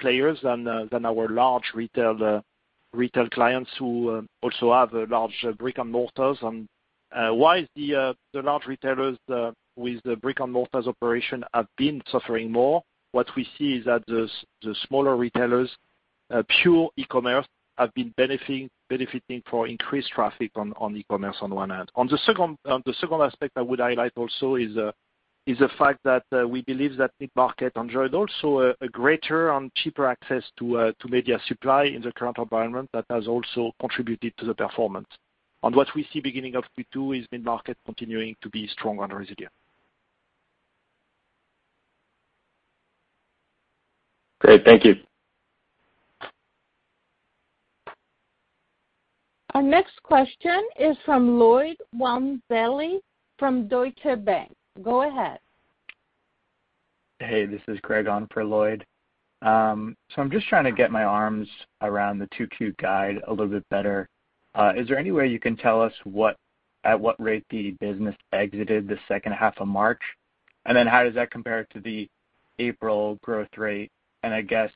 players than our large retail clients who also have large brick-and-mortars. While the large retailers with the brick-and-mortar operation have been suffering more, what we see is that the smaller retailers, pure e-commerce, have been benefiting for increased traffic on e-commerce on one hand. On the second aspect I would highlight also is the fact that we believe that mid-market enjoyed also a greater and cheaper access to media supply in the current environment. That has also contributed to the performance. What we see beginning of Q2 is mid-market continuing to be strong and resilient. Great. Thank you. Our next question is from Lloyd Walmsley from Deutsche Bank. Go ahead. Hey. This is Craig on for Lloyd. I am just trying to get my arms around the 2Q guide a little bit better. Is there any way you can tell us at what rate the business exited the second half of March? How does that compare to the April growth rate? I guess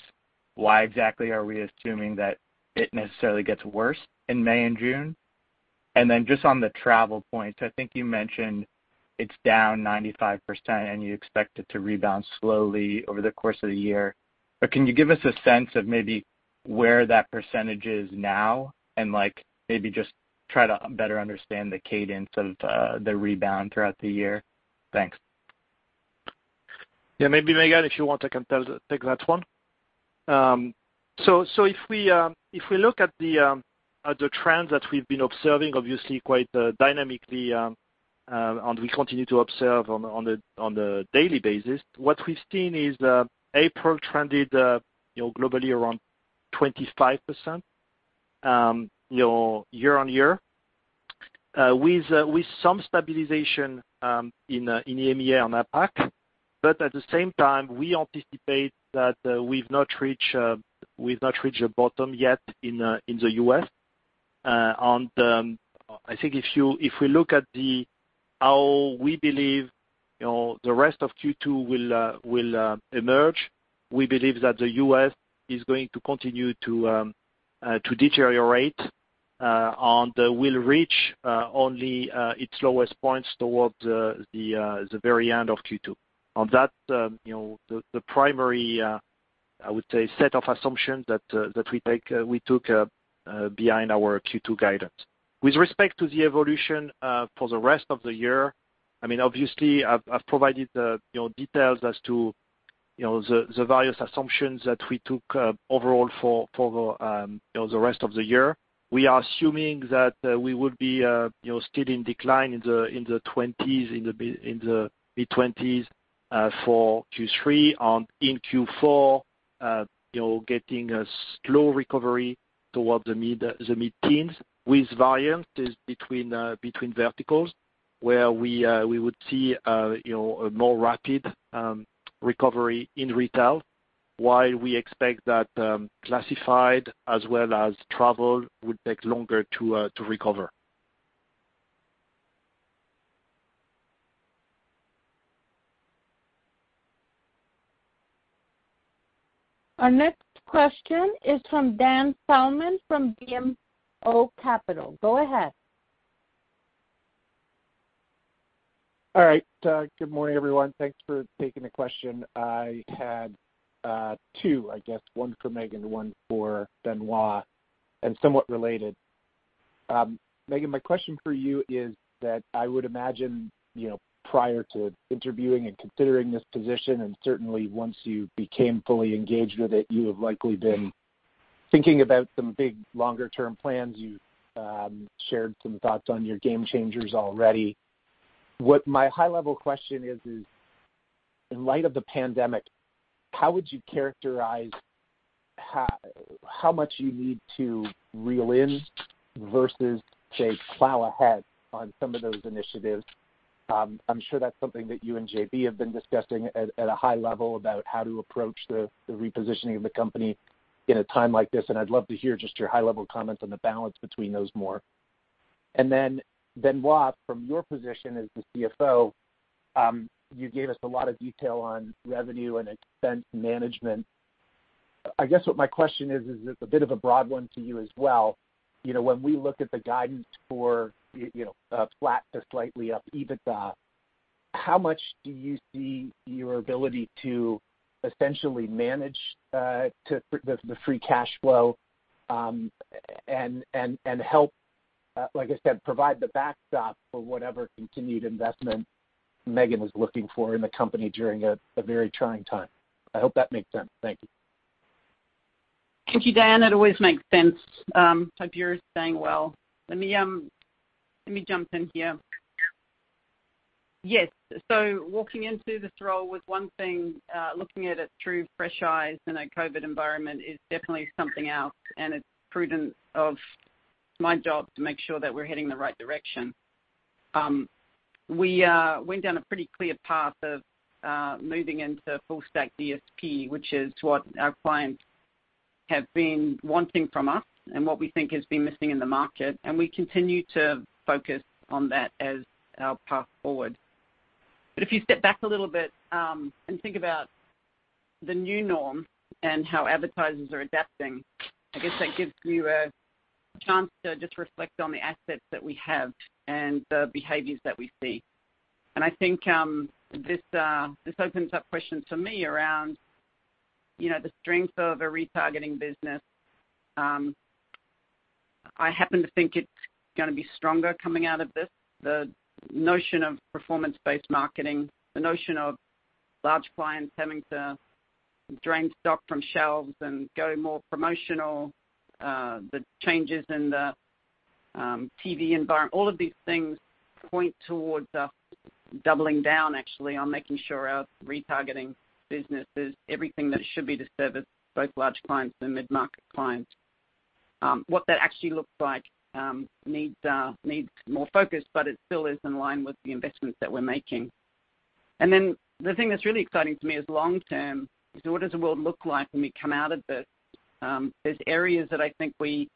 why exactly are we assuming that it necessarily gets worse in May and June? Just on the travel point, I think you mentioned it's down 95% and you expect it to rebound slowly over the course of the year. Can you give us a sense of maybe where that percentage is now and maybe just try to better understand the cadence of the rebound throughout the year? Thanks. Yeah. Maybe Megan, if you want to take that one. If we look at the trends that we've been observing, obviously quite dynamically, and we continue to observe on a daily basis, what we've seen is April trended globally around 25% year on year, with some stabilization in EMEA and APAC. At the same time, we anticipate that we've not reached a bottom yet in the U.S. I think if we look at how we believe the rest of Q2 will emerge, we believe that the U.S. is going to continue to deteriorate and will reach only its lowest points towards the very end of Q2. That's the primary, I would say, set of assumptions that we took behind our Q2 guidance. With respect to the evolution for the rest of the year, I mean, obviously, I've provided details as to the various assumptions that we took overall for the rest of the year. We are assuming that we will be still in decline in the mid-20s for Q3 and in Q4 getting a slow recovery towards the mid-teens, with variance between verticals where we would see a more rapid recovery in retail, while we expect that classified as well as travel would take longer to recover. Our next question is from Dan Salmon from BMO Capital. Go ahead. All right. Good morning, everyone. Thanks for taking the question. I had two, I guess, one for Megan and one for Benoit and somewhat related. Megan, my question for you is that I would imagine prior to interviewing and considering this position, and certainly once you became fully engaged with it, you have likely been thinking about some big longer-term plans. You've shared some thoughts on your game changers already. My high-level question is, in light of the pandemic, how would you characterize how much you need to reel in versus, say, plow ahead on some of those initiatives? I'm sure that's something that you and JB have been discussing at a high level about how to approach the repositioning of the company in a time like this. I'd love to hear just your high-level comments on the balance between those more. Then Benoit, from your position as the CFO, you gave us a lot of detail on revenue and expense management. I guess what my question is, is it's a bit of a broad one to you as well. When we look at the guidance for flat to slightly up EBITDA, how much do you see your ability to essentially manage the free cash flow and help, like I said, provide the backstop for whatever continued investment Megan is looking for in the company during a very trying time? I hope that makes sense. Thank you. Thank you, Dan. It always makes sense to hear you saying well. Let me jump in here. Yes. Walking into this role was one thing. Looking at it through fresh eyes in a COVID environment is definitely something else. It is prudent of my job to make sure that we're heading the right direction. We went down a pretty clear path of moving into full-stack DSP, which is what our clients have been wanting from us and what we think has been missing in the market. We continue to focus on that as our path forward. If you step back a little bit and think about the new norm and how advertisers are adapting, I guess that gives you a chance to just reflect on the assets that we have and the behaviors that we see. I think this opens up questions for me around the strength of a retargeting business. I happen to think it's going to be stronger coming out of this. The notion of performance-based marketing, the notion of large clients having to drain stock from shelves and go more promotional, the changes in the TV environment, all of these things point towards us doubling down, actually, on making sure our retargeting business is everything that it should be to service both large clients and mid-market clients. What that actually looks like needs more focus, but it still is in line with the investments that we're making. The thing that's really exciting to me is long-term. What does the world look like when we come out of this? There are areas that I think we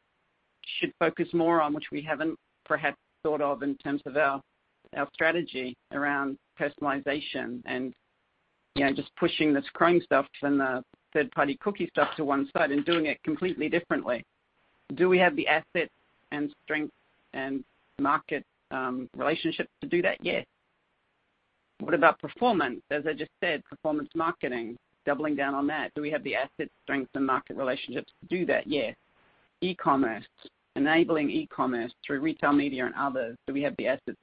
should focus more on, which we haven't perhaps thought of in terms of our strategy around personalization and just pushing this Chrome stuff and the third-party cookie stuff to one side and doing it completely differently. Do we have the assets and strength and market relationships to do that? Yes. What about performance? As I just said, performance marketing, doubling down on that. Do we have the assets, strength, and market relationships to do that? Yes. E-commerce, enabling e-commerce through Retail Media and others. Do we have the assets?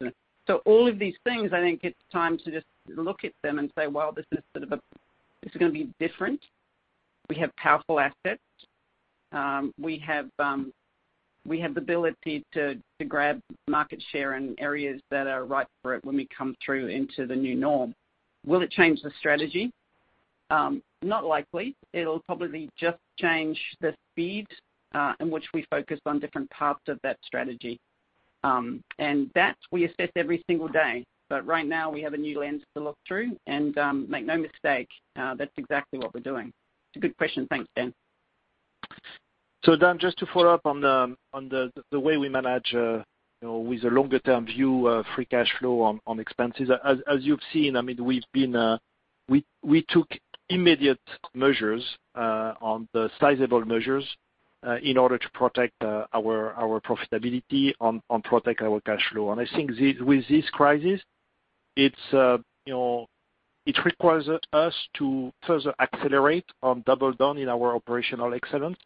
All of these things, I think it's time to just look at them and say, "Well, this is sort of a this is going to be different." We have powerful assets. We have the ability to grab market share in areas that are right for it when we come through into the new norm. Will it change the strategy? Not likely. It'll probably just change the speed in which we focus on different parts of that strategy. That we assess every single day. Right now, we have a new lens to look through. Make no mistake, that's exactly what we're doing. It's a good question. Thanks, Dan. Dan, just to follow up on the way we manage with a longer-term view, free cash flow on expenses. As you've seen, I mean, we took immediate measures on the sizable measures in order to protect our profitability and protect our cash flow. I think with this crisis, it requires us to further accelerate and double down in our operational excellence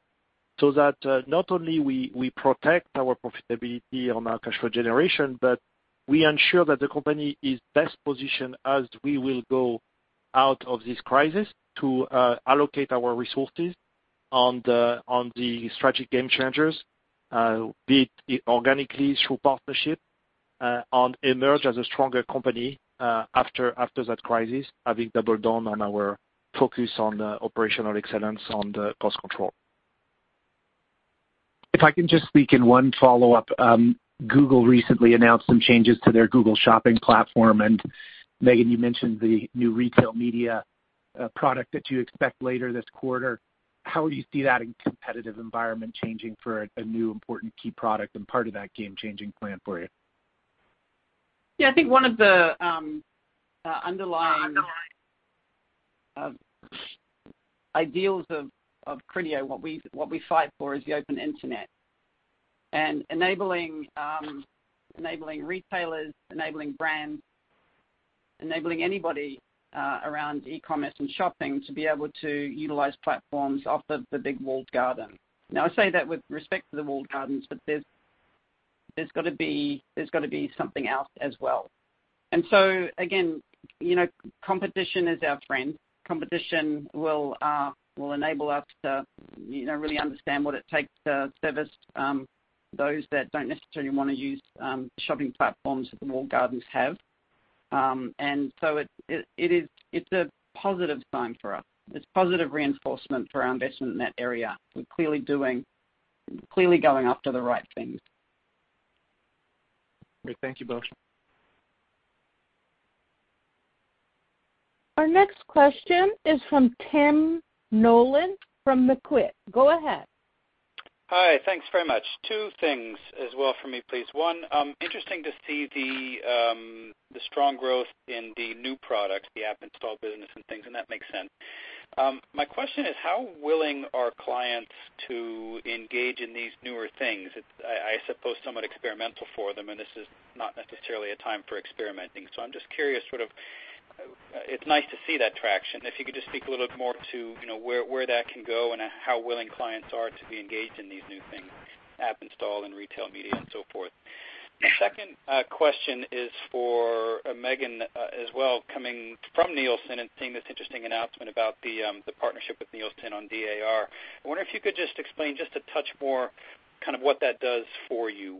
so that not only we protect our profitability on our cash flow generation, but we ensure that the company is best positioned as we will go out of this crisis to allocate our resources on the strategic game changers, be it organically through partnership, and emerge as a stronger company after that crisis, having doubled down on our focus on operational excellence and cost control. If I can just speak in one follow-up, Google recently announced some changes to their Google Shopping platform. Megan, you mentioned the new Retail Media product that you expect later this quarter. How do you see that in a competitive environment changing for a new important key product and part of that game-changing plan for you? Yeah. I think one of the underlying ideals of Criteo, what we fight for, is the open internet. And enabling retailers, enabling brands, enabling anybody around e-commerce and shopping to be able to utilize platforms off of the big walled garden. Now, I say that with respect to the walled gardens, but there's got to be something else as well. Again, competition is our friend. Competition will enable us to really understand what it takes to service those that do not necessarily want to use the shopping platforms that the walled gardens have. It is a positive sign for us. It is positive reinforcement for our investment in that area. We are clearly going after the right things. Great. Thank you both. Our next question is from Tim Nollen from Macquarie. Go ahead. Hi. Thanks very much. Two things as well for me, please. One, interesting to see the strong growth in the new products, the App Install business and things, and that makes sense. My question is, how willing are clients to engage in these newer things? I suppose somewhat experimental for them, and this is not necessarily a time for experimenting. I am just curious, sort of it's nice to see that traction. If you could just speak a little bit more to where that can go and how willing clients are to be engaged in these new things, App Install and Retail Media and so forth. The second question is for Megan as well, coming from Nielsen and seeing this interesting announcement about the partnership with Nielsen on DAR. I wonder if you could just explain just a touch more kind of what that does for you.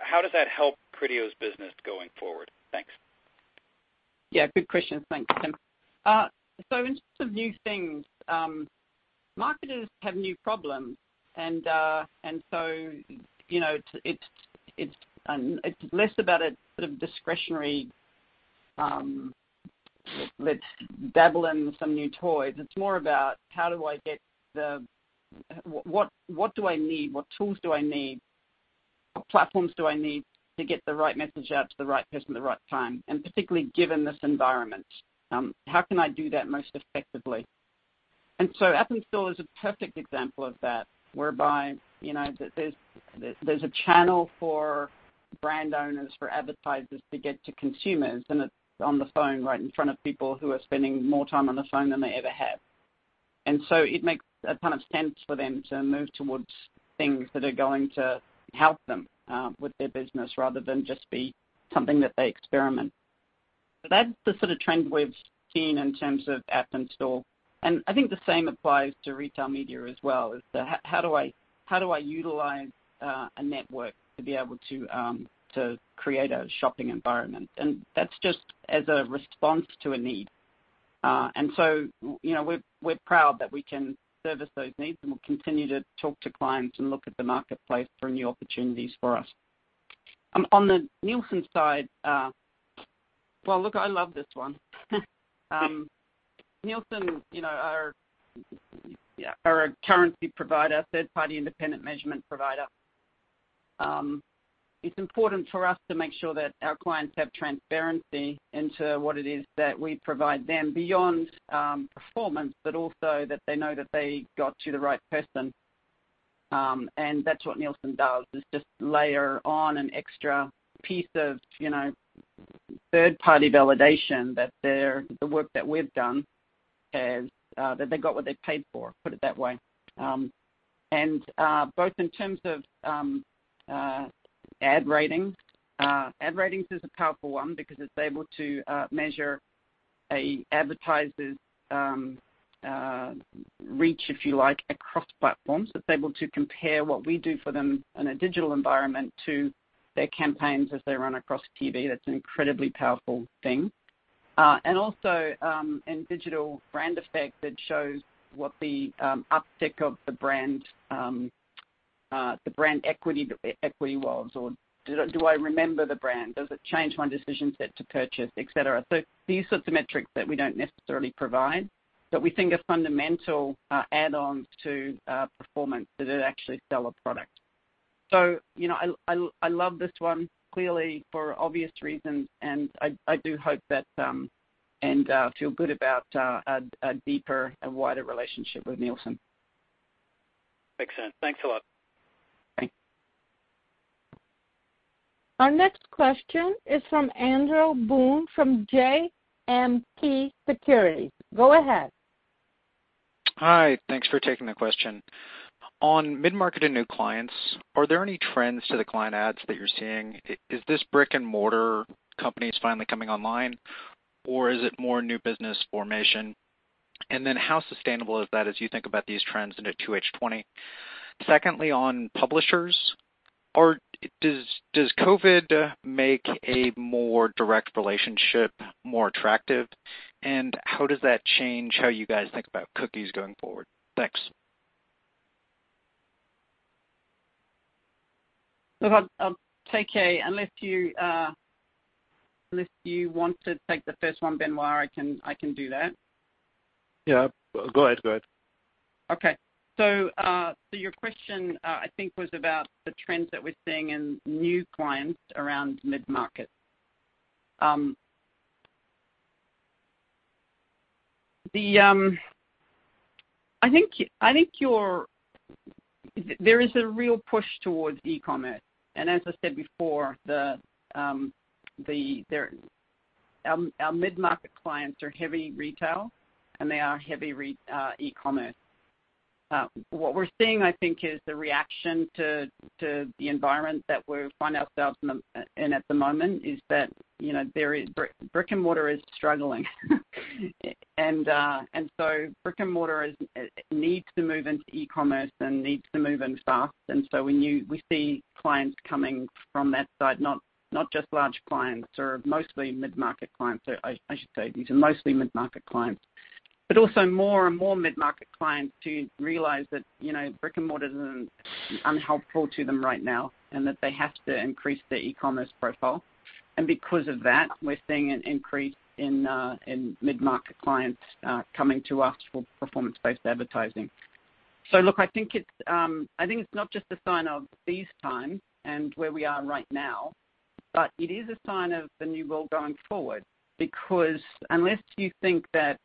How does that help Criteo's business going forward? Thanks. Yeah. Good question. Thanks, Tim. In terms of new things, marketers have new problems. It is less about a sort of discretionary, "Let's dabble in some new toys." It is more about, "How do I get the what do I need? What tools do I need? What platforms do I need to get the right message out to the right person at the right time?" Particularly given this environment, how can I do that most effectively? App Install is a perfect example of that, whereby there is a channel for brand owners, for advertisers to get to consumers, and it is on the phone right in front of people who are spending more time on the phone than they ever have. It makes a ton of sense for them to move towards things that are going to help them with their business rather than just be something that they experiment. That is the sort of trend we've seen in terms of App Install. I think the same applies to Retail Media as well. How do I utilize a network to be able to create a shopping environment? That is just as a response to a need. We are proud that we can service those needs, and we'll continue to talk to clients and look at the marketplace for new opportunities for us. On the Nielsen side, I love this one. Nielsen are a currency provider, third-party independent measurement provider. It's important for us to make sure that our clients have transparency into what it is that we provide them beyond performance, but also that they know that they got to the right person. That's what Nielsen does, is just layer on an extra piece of third-party validation that the work that we've done has that they got what they paid for, put it that way. Both in terms of ad ratings, ad ratings is a powerful one because it's able to measure an advertiser's reach, if you like, across platforms. It's able to compare what we do for them in a digital environment to their campaigns as they run across TV. That's an incredibly powerful thing. Also in digital brand effect, it shows what the uptick of the brand equity was, or do I remember the brand? Does it change my decision set to purchase, et cetera? These sorts of metrics that we do not necessarily provide, but we think are fundamental add-ons to performance that actually sell a product. I love this one, clearly for obvious reasons. I do hope that, and feel good about a deeper and wider relationship with Nielsen. Makes sense. Thanks a lot. Thanks. Our next question is from Andrew Boone from JMP Securities. Go ahead. Hi. Thanks for taking the question. On mid-market and new clients, are there any trends to the client ads that you are seeing? Is this brick-and-mortar companies finally coming online, or is it more new business formation? How sustainable is that as you think about these trends into 2H2020? Secondly, on publishers, does COVID make a more direct relationship more attractive? How does that change how you guys think about cookies going forward? Thanks. Look, I'll take it unless you want to take the first one, Benoit, I can do that. Yeah. Go ahead. Go ahead. Okay. So your question, I think, was about the trends that we're seeing in new clients around mid-market. I think there is a real push towards e-commerce. And as I said before, our mid-market clients are heavy retail, and they are heavy e-commerce. What we're seeing, I think, is the reaction to the environment that we find ourselves in at the moment is that brick-and-mortar is struggling. Brick-and-mortar needs to move into e-commerce and needs to move in fast. We see clients coming from that side, not just large clients or mostly mid-market clients. I should say these are mostly mid-market clients, but also more and more mid-market clients realize that brick-and-mortar is unhelpful to them right now and that they have to increase their e-commerce profile. Because of that, we're seeing an increase in mid-market clients coming to us for performance-based advertising. I think it's not just a sign of these times and where we are right now, but it is a sign of the new world going forward because unless you think that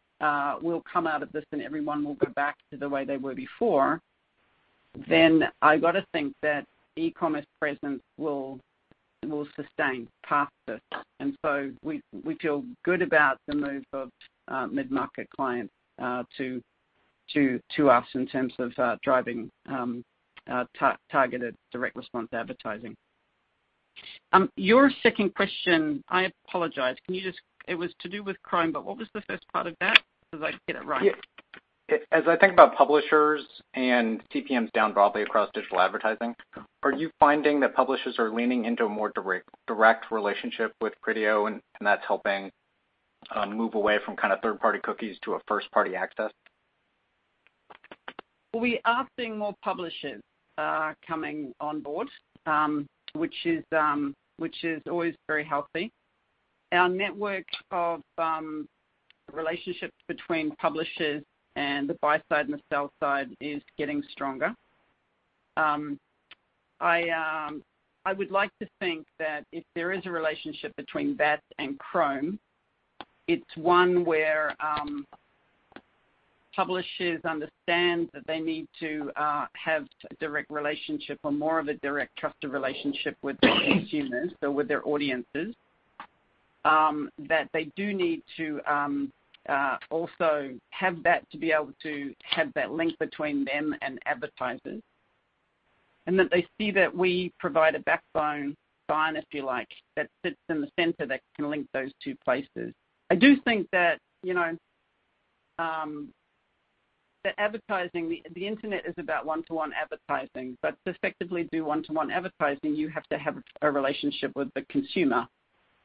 we'll come out of this and everyone will go back to the way they were before, I got to think that e-commerce presence will sustain past this. We feel good about the move of mid-market clients to us in terms of driving targeted direct response advertising. Your second question, I apologize. It was to do with Chrome, but what was the first part of that? Did I get it right? As I think about publishers and CPMs down broadly across digital advertising, are you finding that publishers are leaning into a more direct relationship with Criteo, and that's helping move away from kind of third-party cookies to a first-party access? We are seeing more publishers coming on board, which is always very healthy. Our network of relationships between publishers and the buy-side and the sell-side is getting stronger. I would like to think that if there is a relationship between that and Chrome, it's one where publishers understand that they need to have a direct relationship or more of a direct trusted relationship with their consumers or with their audiences, that they do need to also have that to be able to have that link between them and advertisers, and that they see that we provide a backbone sign, if you like, that sits in the center that can link those two places. I do think that advertising, the internet is about one-to-one advertising, but to effectively do one-to-one advertising, you have to have a relationship with the consumer,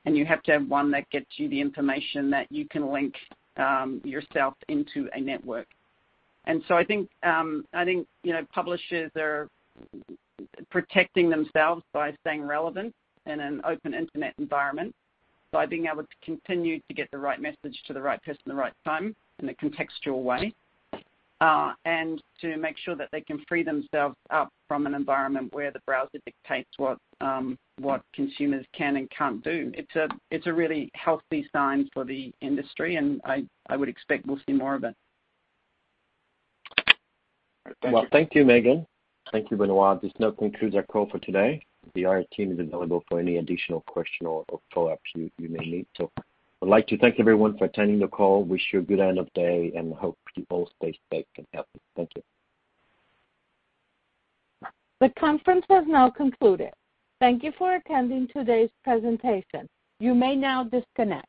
and you have to have one that gets you the information that you can link yourself into a network. I think publishers are protecting themselves by staying relevant in an open internet environment, by being able to continue to get the right message to the right person at the right time in a contextual way, and to make sure that they can free themselves up from an environment where the browser dictates what consumers can and cannot do. It is a really healthy sign for the industry, and I would expect we will see more of it. Thank you. Thank you, Megan. Thank you, Benoit. This now concludes our call for today. The IR team is available for any additional question or follow-ups you may need. I would like to thank everyone for attending the call, wish you a good end of day, and hope you all stay safe and healthy. Thank you. The conference has now concluded. Thank you for attending today's presentation. You may now disconnect.